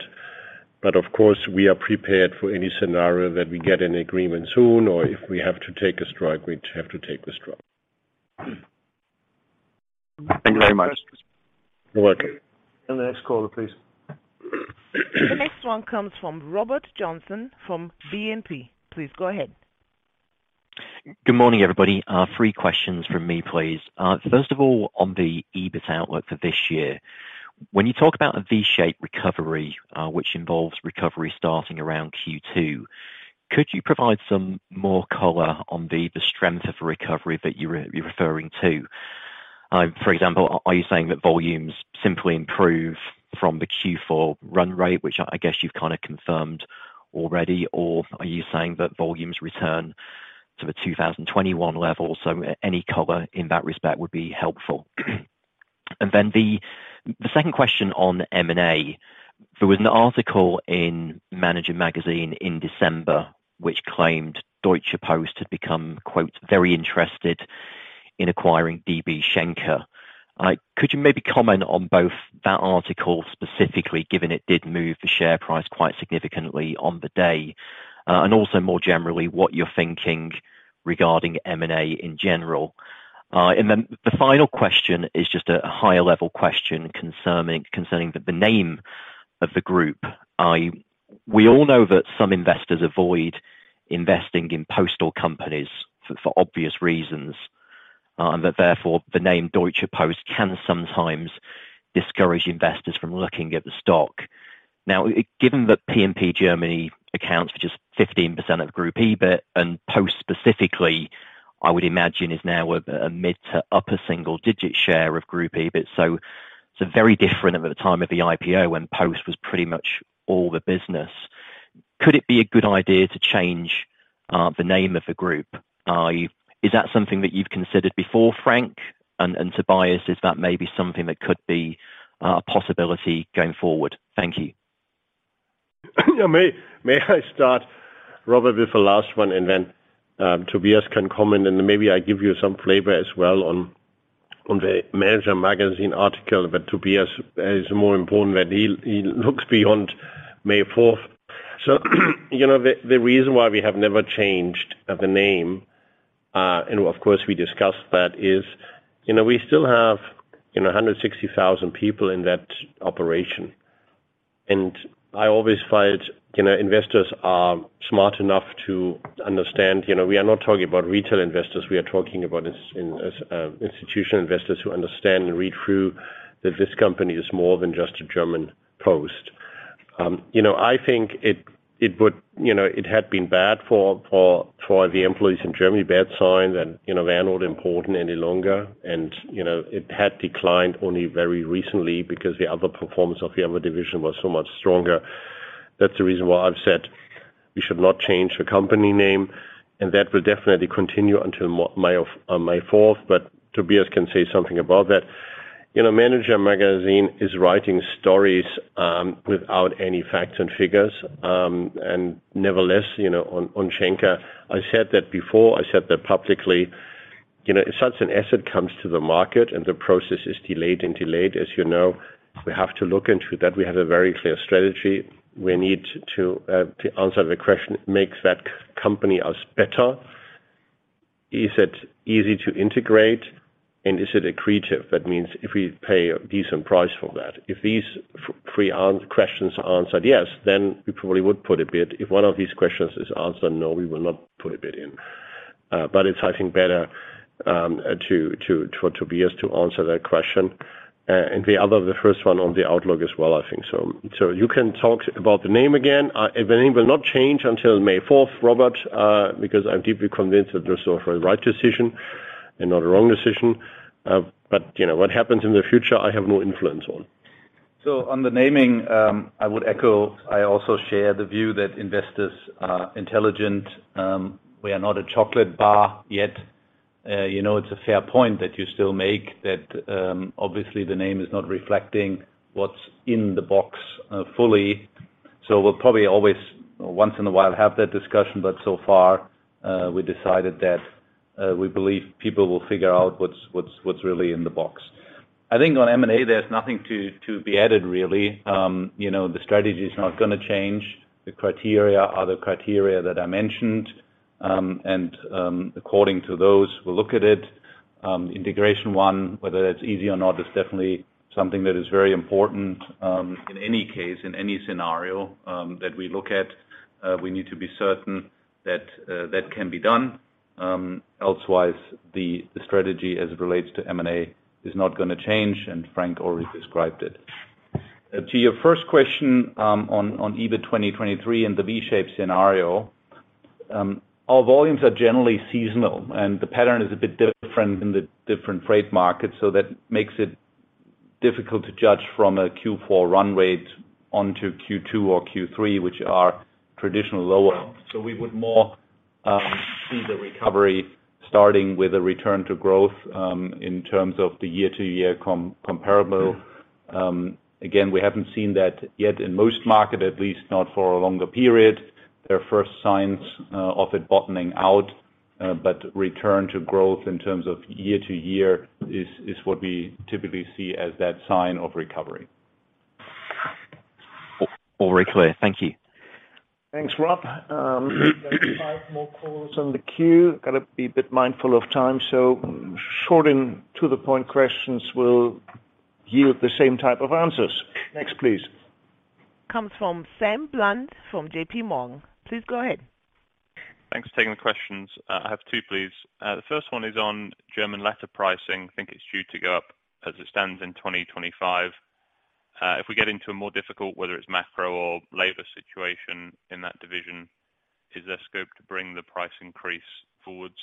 Of course, we are prepared for any scenario that we get an agreement soon, or if we have to take a strike, we'd have to take the strike. Thank you very much. You're welcome. The next caller, please. The next one comes from Robert Joynson from BNP. Please go ahead. Good morning, everybody. Three questions from me, please. First of all, on the EBIT outlook for this year. When you talk about a V-shaped recovery, which involves recovery starting around Q2, could you provide some more color on the strength of recovery that you're referring to? For example, are you saying that volumes simply improve from the Q4 run rate, which I guess you've kind of confirmed already, or are you saying that volumes return to the 2021 level? Any color in that respect would be helpful. The second question on M&A. There was an article in Manager Magazin in December, which claimed Deutsche Post had become "very interested" in acquiring DB Schenker. Could you maybe comment on both that article specifically, given it did move the share price quite significantly on the day? Also more generally, what you're thinking regarding M&A in general. Then the final question is just a higher level question concerning the name of the group. We all know that some investors avoid investing in postal companies for obvious reasons, therefore, the name Deutsche Post can sometimes discourage investors from looking at the stock. Given that P&P Germany accounts for just 15% of group EBIT, and Post specifically, I would imagine, is now a mid to upper single-digit share of group EBIT. Very different at the time of the IPO when Post was pretty much all the business. Could it be a good idea to change the name of the group? Is that something that you've considered before, Frank? Tobias, is that maybe something that could be a possibility going forward? Thank you. May I start, Robert, with the last one and then Tobias can comment, and maybe I give you some flavor as well on the Manager Magazin article, but Tobias is more important that he looks beyond May 4th. You know, the reason why we have never changed the name, and of course, we discussed that is, you know, we still have, you know, 160,000 people in that operation. I always find, you know, investors are smart enough to understand, you know, we are not talking about retail investors, we are talking about institutional investors who understand and read through that this company is more than just a German post. You know, I think it would. You know, it had been bad for the employees in Germany, bad sign that, you know, they are not important any longer. You know, it had declined only very recently because the other performance of the other division was so much stronger. That's the reason why I've said we should not change the company name, and that will definitely continue until on May 4th. Tobias can say something about that. You know, Manager Magazin is writing stories without any facts and figures, and nevertheless, you know, on Schenker. I said that before, I said that publicly. You know, if such an asset comes to the market and the process is delayed, as you know, we have to look into that. We have a very clear strategy. We need to answer the question, makes that company as better? Is it easy to integrate? Is it accretive? That means if we pay a decent price for that. If these three questions are answered yes, we probably would put a bid. If one of these questions is answered no, we will not put a bid in. It's, I think, better to for Tobias to answer that question. The other, the first one on the outlook as well, I think so. You can talk about the name again. The name will not change until May fourth, Robert, I'm deeply convinced that this was the right decision and not a wrong decision. You know, what happens in the future, I have no influence on. On the naming, I would echo. I also share the view that investors are intelligent. We are not a chocolate bar yet. You know, it's a fair point that you still make that, obviously the name is not reflecting what's in the box fully. We'll probably always once in a while have that discussion. So far, we decided that we believe people will figure out what's really in the box. I think on M&A, there's nothing to be added, really. You know, the strategy is not gonna change. The criteria are the criteria that I mentioned. According to those, we'll look at it. Integration one, whether that's easy or not, is definitely something that is very important, in any case, in any scenario, that we look at. We need to be certain that that can be done. Elsewise the strategy as it relates to M&A is not gonna change, and Frank already described it. To your first question, on EBIT 2023 and the V-shape scenario. Our volumes are generally seasonal, and the pattern is a bit different in the different freight markets. That makes it difficult to judge from a Q4 run rate onto Q2 or Q3, which are traditionally lower. We would more see the recovery starting with a return to growth, in terms of the year-to-year comparable. Again, we haven't seen that yet in most markets, at least not for a longer period. There are first signs of it bottoming out, but return to growth in terms of year-to-year is what we typically see as that sign of recovery. All very clear. Thank you. Thanks, Rob. There are 5 more calls on the queue. Gonna be a bit mindful of time, short and to the point questions will yield the same type of answers. Next, please. Comes from Samuel Bland from JPMorgan. Please go ahead. Thanks for taking the questions. I have 2, please. The first one is on German letter pricing. I think it's due to go up as it stands in 2025. If we get into a more difficult, whether it's macro or labor situation in that division, is there scope to bring the price increase forwards?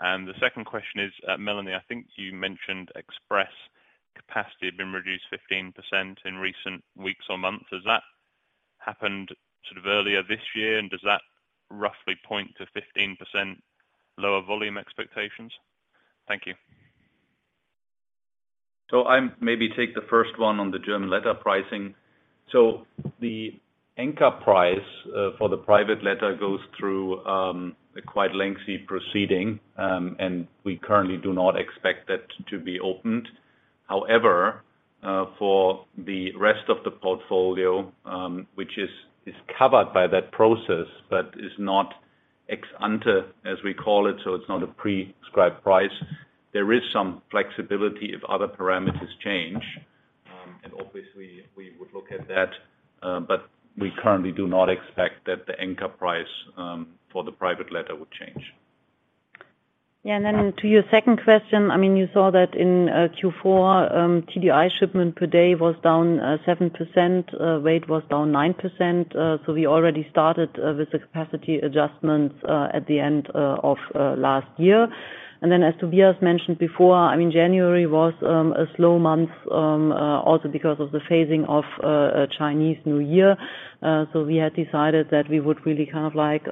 The second question is, Melanie, I think you mentioned Express capacity had been reduced 15% in recent weeks or months. Has that happened sort of earlier this year, and does that roughly point to 15% lower volume expectations? Thank you. I'll maybe take the first one on the German letter pricing. The anchor price for the private letter goes through a quite lengthy proceeding, and we currently do not expect that to be opened. However, for the rest of the portfolio, which is covered by that process, but is not ex-ante, as we call it, so it's not a prescribed price. There is some flexibility if other parameters change. Obviously we would look at that, but we currently do not expect that the anchor price for the private letter would change. Yeah. To your second question, I mean, you saw that in Q4, TDI shipment per day was down 7%, weight was down 9%. We already started with the capacity adjustments at the end of last year. As Tobias mentioned before, I mean, January was a slow month, also because of the phasing of Chinese New Year. We had decided that we would really kind of like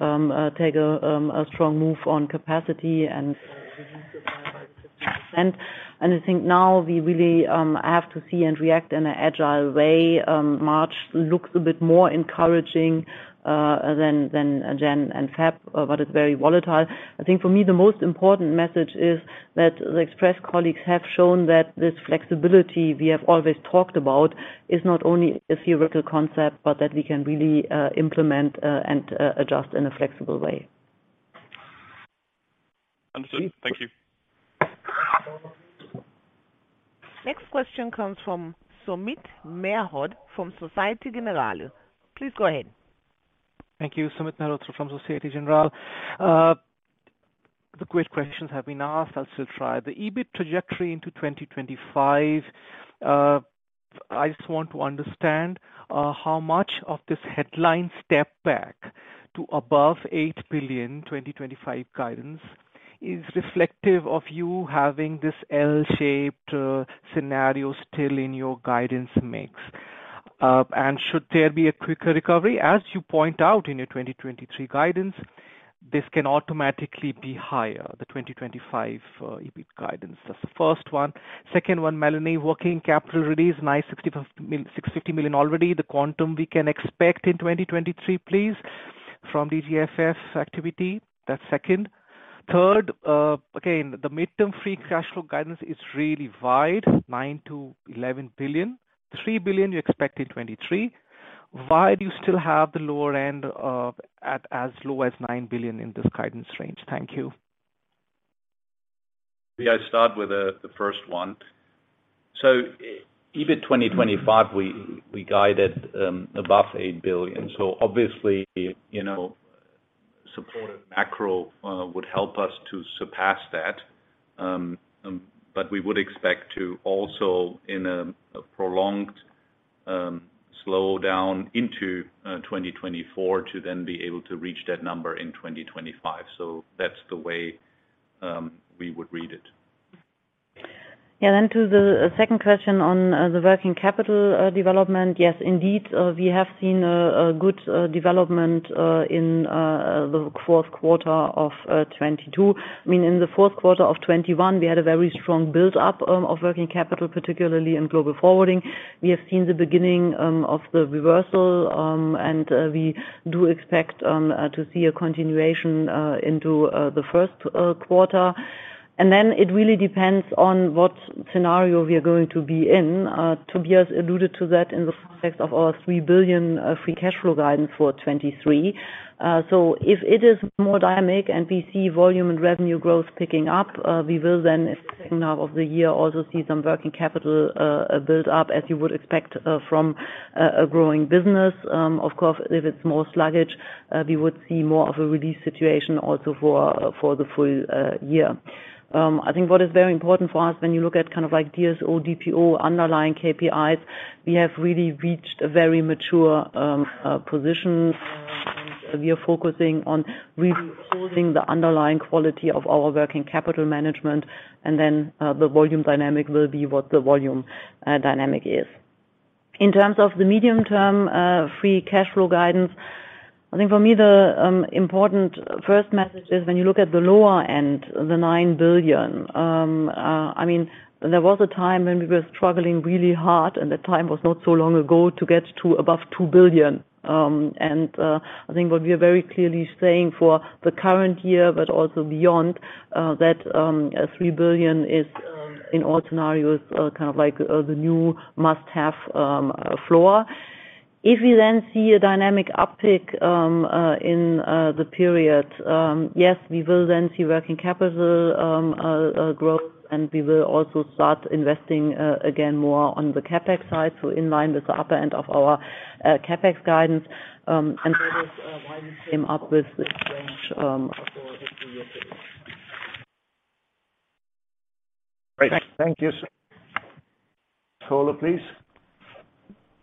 take a strong move on capacity and reduce it by 15%. I think now we really have to see and react in an agile way. March looks a bit more encouraging than Jan and Feb, but it's very volatile. I think for me, the most important message is that the Express colleagues have shown that this flexibility we have always talked about is not only a theoretical concept, but that we can really implement and adjust in a flexible way. Understood. Thank you. Next question comes from Sumit Mehrotra from Societe Generale. Please go ahead. Thank you. Sumit Mehrotra from Societe Generale. The great questions have been asked. I'll still try. The EBIT trajectory into 2025. I just want to understand how much of this headline step back to above 8 billion 2025 guidance is reflective of you having this L-shaped scenario still in your guidance mix. Should there be a quicker recovery, as you point out in your 2023 guidance, this can automatically be higher, the 2025 EBIT guidance. That's the first one. Second one, Melanie, working capital release, nice 65, 660 million already. The quantum we can expect in 2023, please, from DGFF activity. That's second. Third, again, the midterm free cash flow guidance is really wide, 9 billion-11 billion. 3 billion you expect in 2023. Why do you still have the lower end of, at as low as 9 billion in this guidance range? Thank you. Maybe I start with the first one. EBIT 2025, we guided above 8 billion. Obviously, you know, supportive macro would help us to surpass that. We would expect to also in a prolonged slowdown into 2024 to then be able to reach that number in 2025. That's the way we would read it. Yeah. To the second question on the working capital development. Yes, indeed, we have seen a good development in the fourth quarter of 2022. I mean, in the fourth quarter of 2021, we had a very strong build-up of working capital, particularly in Global Forwarding. We have seen the beginning of the reversal, and we do expect to see a continuation into the first quarter. It really depends on what scenario we are going to be in. Tobias alluded to that in the context of our 3 billion free cash flow guidance for 2023. If it is more dynamic and we see volume and revenue growth picking up, we will then, at the second half of the year, also see some working capital build up as you would expect from a growing business. Of course, if it's more sluggish, we would see more of a release situation also for the full year. I think what is very important for us when you look at kind of like DSO, DPO underlying KPIs, we have really reached a very mature position. And we are focusing on reinforcing the underlying quality of our working capital management, and then the volume dynamic will be what the volume dynamic is. In terms of the medium-term, free cash flow guidance, I think for me the important first message is when you look at the lower end, the 9 billion, I mean, there was a time when we were struggling really hard, and the time was not so long ago to get to above 2 billion. I think what we are very clearly saying for the current year but also beyond, that 3 billion is in all scenarios kind of like the new must-have floor. If we then see a dynamic uptick in the period, yes, we will then see working capital growth, and we will also start investing again, more on the CapEx side. In line with the upper end of our CapEx guidance, and that is why we came up with this range for FY year 3. Great. Thank you. Next caller, please.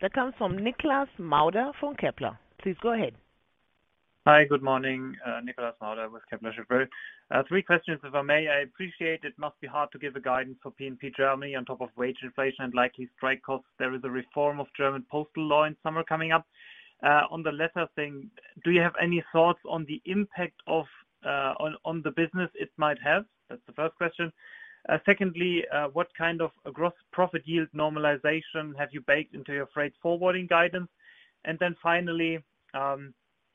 That comes from Nikolas Mauder from Kepler. Please go ahead. Hi, good morning. Nikolas Mauder with Kepler Cheuvreux. three questions, if I may. I appreciate it must be hard to give a guidance for P&P Germany on top of wage inflation and likely strike costs. There is a reform of German postal law in summer coming up. On the latter thing, do you have any thoughts on the impact on the business it might have? That's the first question. Secondly, what kind of gross profit yield normalization have you baked into your freight forwarding guidance? Finally,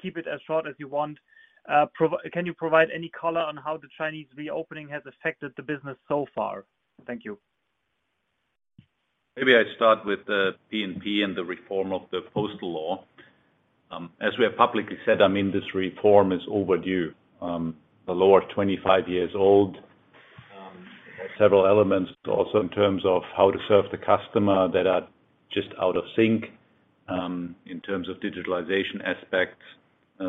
keep it as short as you want. Can you provide any color on how the Chinese reopening has affected the business so far? Thank you. Maybe I start with the P&P and the reform of the postal law. As we have publicly said, I mean, this reform is overdue. The law is 25 years old. Several elements also in terms of how to serve the customer that are just out of sync, in terms of digitalization aspects,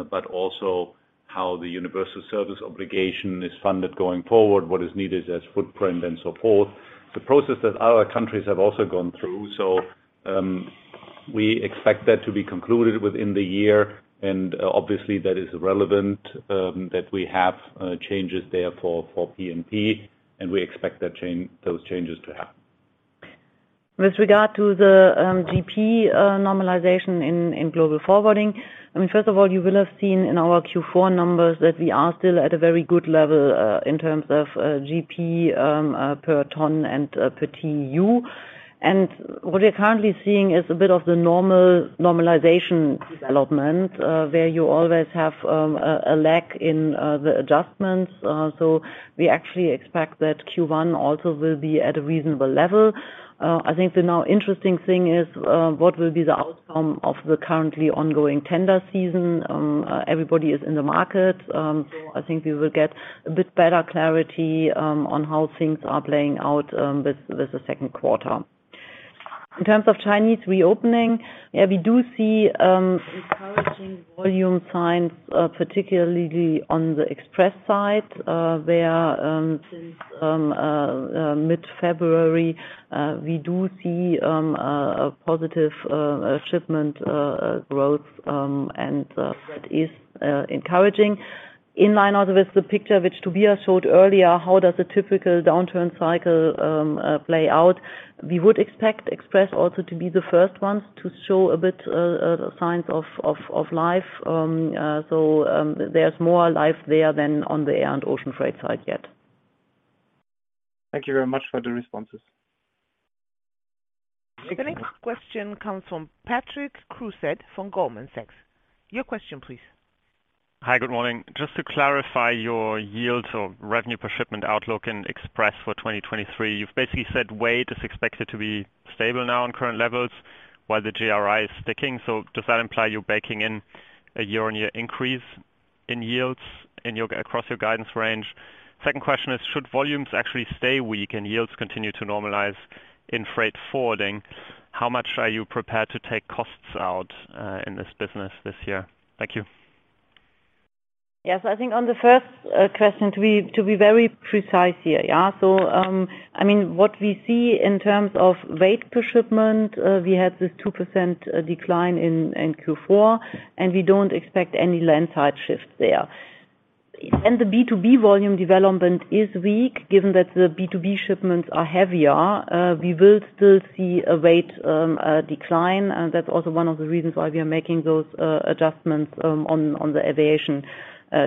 but also how the universal service obligation is funded going forward, what is needed as footprint and so forth. It's a process that other countries have also gone through. We expect that to be concluded within the year. Obviously, that is relevant, that we have changes there for P&P, and we expect that change, those changes to happen. With regard to the GP normalization in Global Forwarding, I mean, first of all, you will have seen in our Q4 numbers that we are still at a very good level in terms of GP per ton and per TU. What we are currently seeing is a bit of the normal normalization development where you always have a lack in the adjustments. We actually expect that Q1 also will be at a reasonable level. I think the now interesting thing is what will be the outcome of the currently ongoing tender season. Everybody is in the market. I think we will get a bit better clarity on how things are playing out with the second quarter. In terms of Chinese reopening, yeah, we do see encouraging volume signs, particularly on the Express side, where since mid-February, we do see a positive shipment growth, and that is encouraging. In line also with the picture which Tobias showed earlier, how does a typical downturn cycle play out? We would expect Express also to be the first ones to show a bit signs of life. There's more life there than on the air and ocean freight side yet. Thank you very much for the responses. The next question comes from Patrick Creuset from Goldman Sachs. Your question please. Hi, good morning. Just to clarify your yields or revenue per shipment outlook in Express for 2023. You've basically said weight is expected to be stable now on current levels while the GRI is sticking. Does that imply you're baking in a year-on-year increase in yields in your across your guidance range? Second question is, should volumes actually stay weak and yields continue to normalize in freight forwarding, how much are you prepared to take costs out in this business this year? Thank you. Yes. I think on the first question, to be very precise here, yeah. I mean, what we see in terms of weight per shipment, we had this 2% decline in Q4, we don't expect any landslide shift there. The B2B volume development is weak. Given that the B2B shipments are heavier, we will still see a weight decline. That's also one of the reasons why we are making those adjustments on the aviation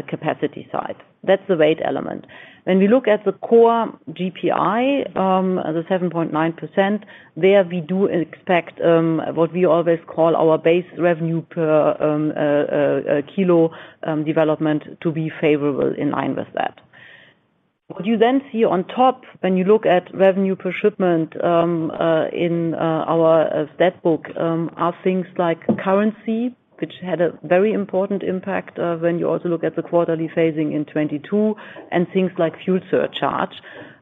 capacity side. That's the weight element. When we look at the core GPI, the 7.9%, there we do expect what we always call our base revenue per kilo development to be favorable in line with that. What you then see on top when you look at revenue per shipment in our stat book are things like currency, which had a very important impact when you also look at the quarterly phasing in 2022 and things like fuel surcharge.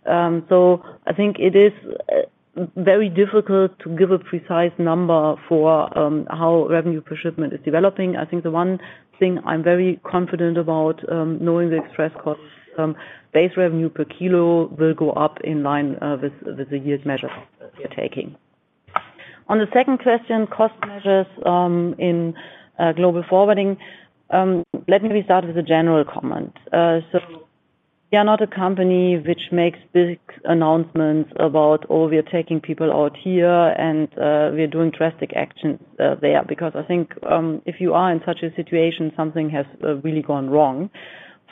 I think it is very difficult to give a precise number for how revenue per shipment is developing. I think the one thing I'm very confident about, knowing the express costs, base revenue per kilo will go up in line with the year's measures we are taking. On the second question, cost measures in Global Forwarding. Let me start with a general comment. We are not a company which makes big announcements about, oh, we are taking people out here, and we are doing drastic actions there. I think, if you are in such a situation, something has really gone wrong.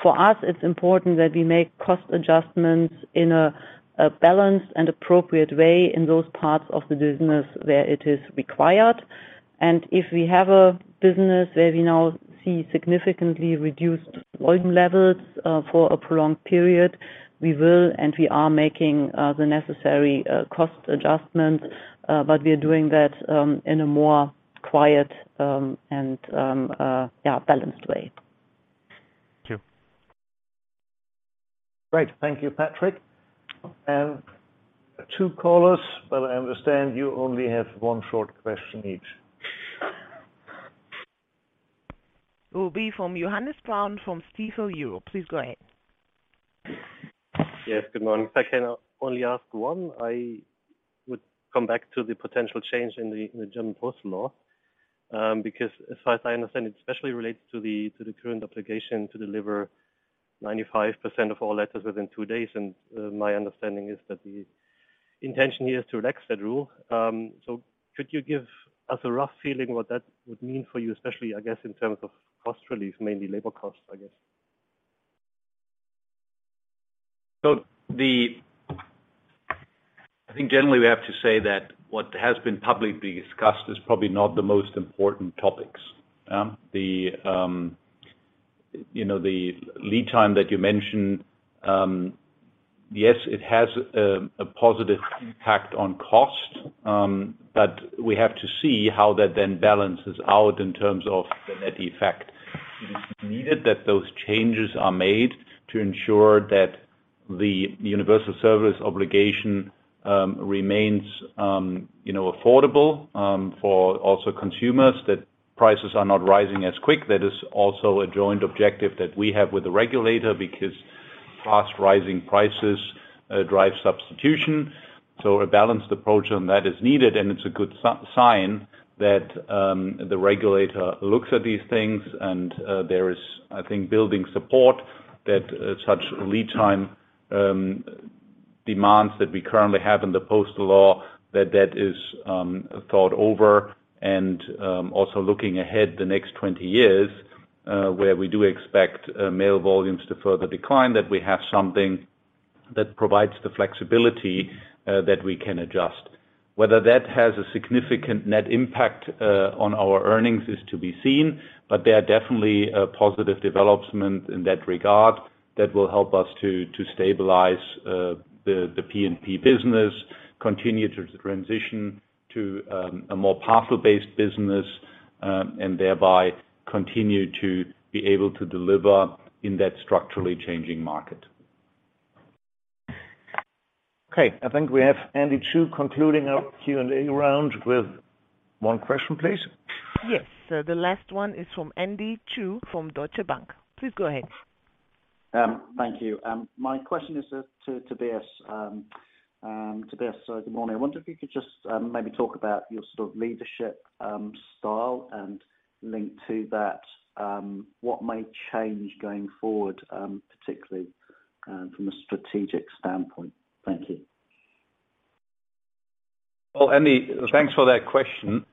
For us, it's important that we make cost adjustments in a balanced and appropriate way in those parts of the business where it is required. If we have a business where we now see significantly reduced volume levels for a prolonged period, we will and we are making the necessary cost adjustments. We are doing that in a more quiet, and, yeah, balanced way. Thank you. Great. Thank you, Patrick. Two callers, but I understand you only have one short question each. Will be from Johannes Braun from Stifel Europe. Please go ahead. Yes, good morning. If I can only ask one, I would come back to the potential change in the German postal law. Because as far as I understand, it especially relates to the current obligation to deliver 95% of all letters within 2 days, and my understanding is that the intention here is to relax that rule. Could you give us a rough feeling what that would mean for you, especially, I guess, in terms of cost release, mainly labor costs, I guess? I think generally we have to say that what has been publicly discussed is probably not the most important topics. The, you know, the lead time that you mentioned, yes, it has a positive impact on cost. We have to see how that then balances out in terms of the net effect. It is needed that those changes are made to ensure that the universal service obligation, remains, you know, affordable for also consumers, that prices are not rising as quick. That is also a joint objective that we have with the regulator because fast-rising prices drive substitution. A balanced approach on that is needed, and it's a good sign that the regulator looks at these things and there is, I think, building support that such lead time demands that we currently have in the postal law that that is thought over. Also looking ahead the next 20 years, where we do expect mail volumes to further decline, that we have something that provides the flexibility that we can adjust. Whether that has a significant net impact on our earnings is to be seen. There are definitely a positive development in that regard that will help us to stabilize the P&P business, continue to transition to a more parcel-based business, and thereby continue to be able to deliver in that structurally changing market. Okay. I think we have Andy Chu concluding our Q&A round with one question, please. Yes. The last one is from Andy Chu from Deutsche Bank. Please go ahead. Thank you. My question is to Tobias. Tobias, good morning. I wonder if you could just maybe talk about your sort of leadership style and link to that, what may change going forward, particularly from a strategic standpoint. Thank you. Well, Andy, thanks for that question.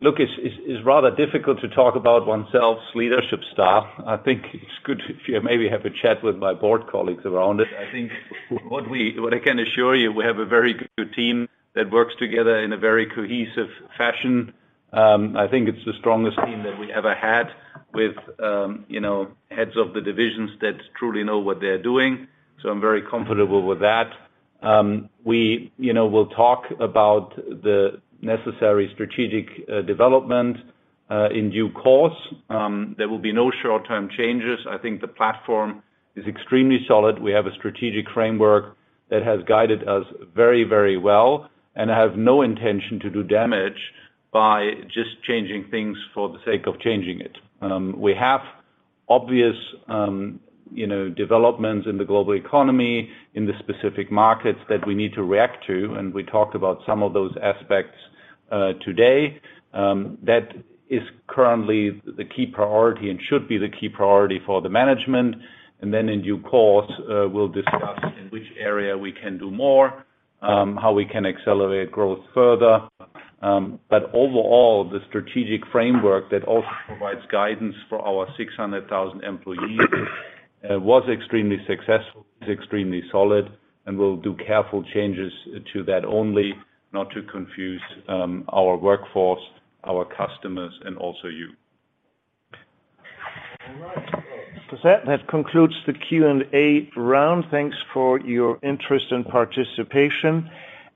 Look, it's, it's rather difficult to talk about one self's leadership style. I think it's good if you maybe have a chat with my board colleagues around it. I think what I can assure you, we have a very good team that works together in a very cohesive fashion. I think it's the strongest team that we ever had with, you know, heads of the divisions that truly know what they're doing. I'm very comfortable with that. We, you know, will talk about the necessary strategic development in due course. There will be no short-term changes. I think the platform is extremely solid. We have a strategic framework that has guided us very, very well and I have no intention to do damage by just changing things for the sake of changing it. We have obvious, you know, developments in the global economy, in the specific markets that we need to react to, and we talked about some of those aspects today. That is currently the key priority and should be the key priority for the management. In due course, we'll discuss in which area we can do more, how we can accelerate growth further. Overall, the strategic framework that also provides guidance for our 600,000 employees, was extremely successful, it's extremely solid, and we'll do careful changes to that only, not to confuse our workforce. Our customers and also you. That concludes the Q&A round. Thanks for your interest and participation.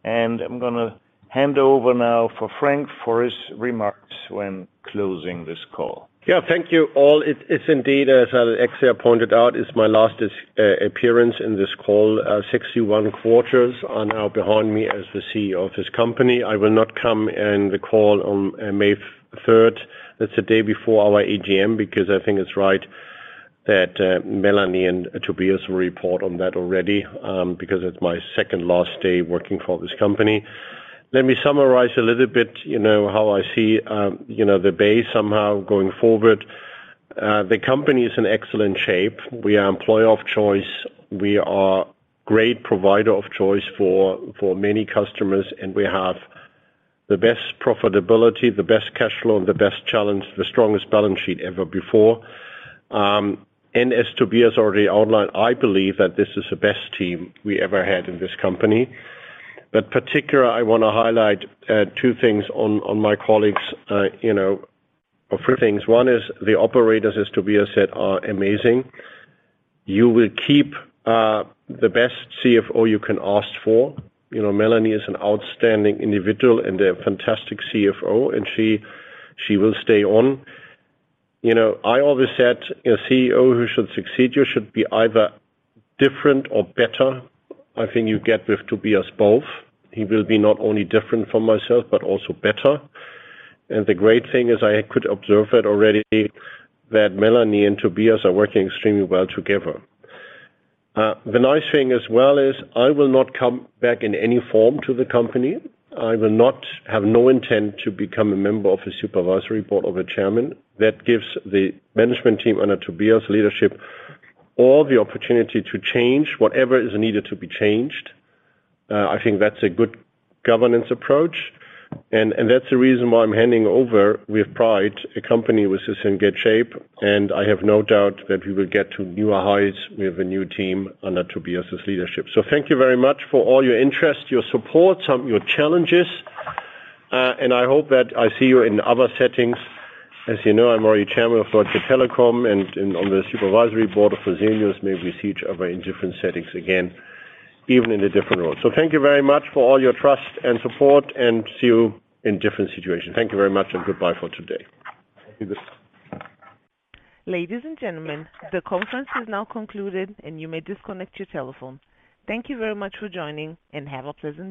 I'm gonna hand over now for Frank for his remarks when closing this call. Yeah, thank you all. It's indeed, as Axel pointed out, is my last appearance in this call. 61 quarters are now behind me as the CEO of this company. I will not come in the call on May 3rd. That's the day before our AGM, because I think it's right that Melanie and Tobias will report on that already, because it's my second last day working for this company. Let me summarize a little bit, you know, how I see, you know, the Bay somehow going forward. The company is in excellent shape. We are employer of choice. We are great provider of choice for many customers, and we have the best profitability, the best cash flow, and the best challenge, the strongest balance sheet ever before. As Tobias already outlined, I believe that this is the best team we ever had in this company. Particular, I wanna highlight two things on my colleagues, you know, or three things. One is the operators, as Tobias said, are amazing. You will keep the best CFO you can ask for. You know, Melanie is an outstanding individual and a fantastic CFO, and she will stay on. You know, I always said a CEO who should succeed you should be either different or better. I think you get with Tobias both. He will be not only different from myself but also better. The great thing is I could observe it already that Melanie and Tobias are working extremely well together. The nice thing as well is I will not come back in any form to the company. I will not have no intent to become a member of the supervisory board or the chairman. That gives the management team under Tobias' leadership all the opportunity to change whatever is needed to be changed. I think that's a good governance approach, and that's the reason why I'm handing over with pride, a company which is in good shape. I have no doubt that we will get to newer heights with the new team under Tobias's leadership. Thank you very much for all your interest, your support, some your challenges, and I hope that I see you in other settings. As you know, I'm already chairman of Deutsche Telekom and on the supervisory board of Proximus. Maybe we see each other in different settings again, even in a different role. Thank you very much for all your trust and support and see you in different situations. Thank you very much and goodbye for today. Thank you. Ladies and gentlemen, the conference is now concluded, and you may disconnect your telephone. Thank you very much for joining and have a pleasant day.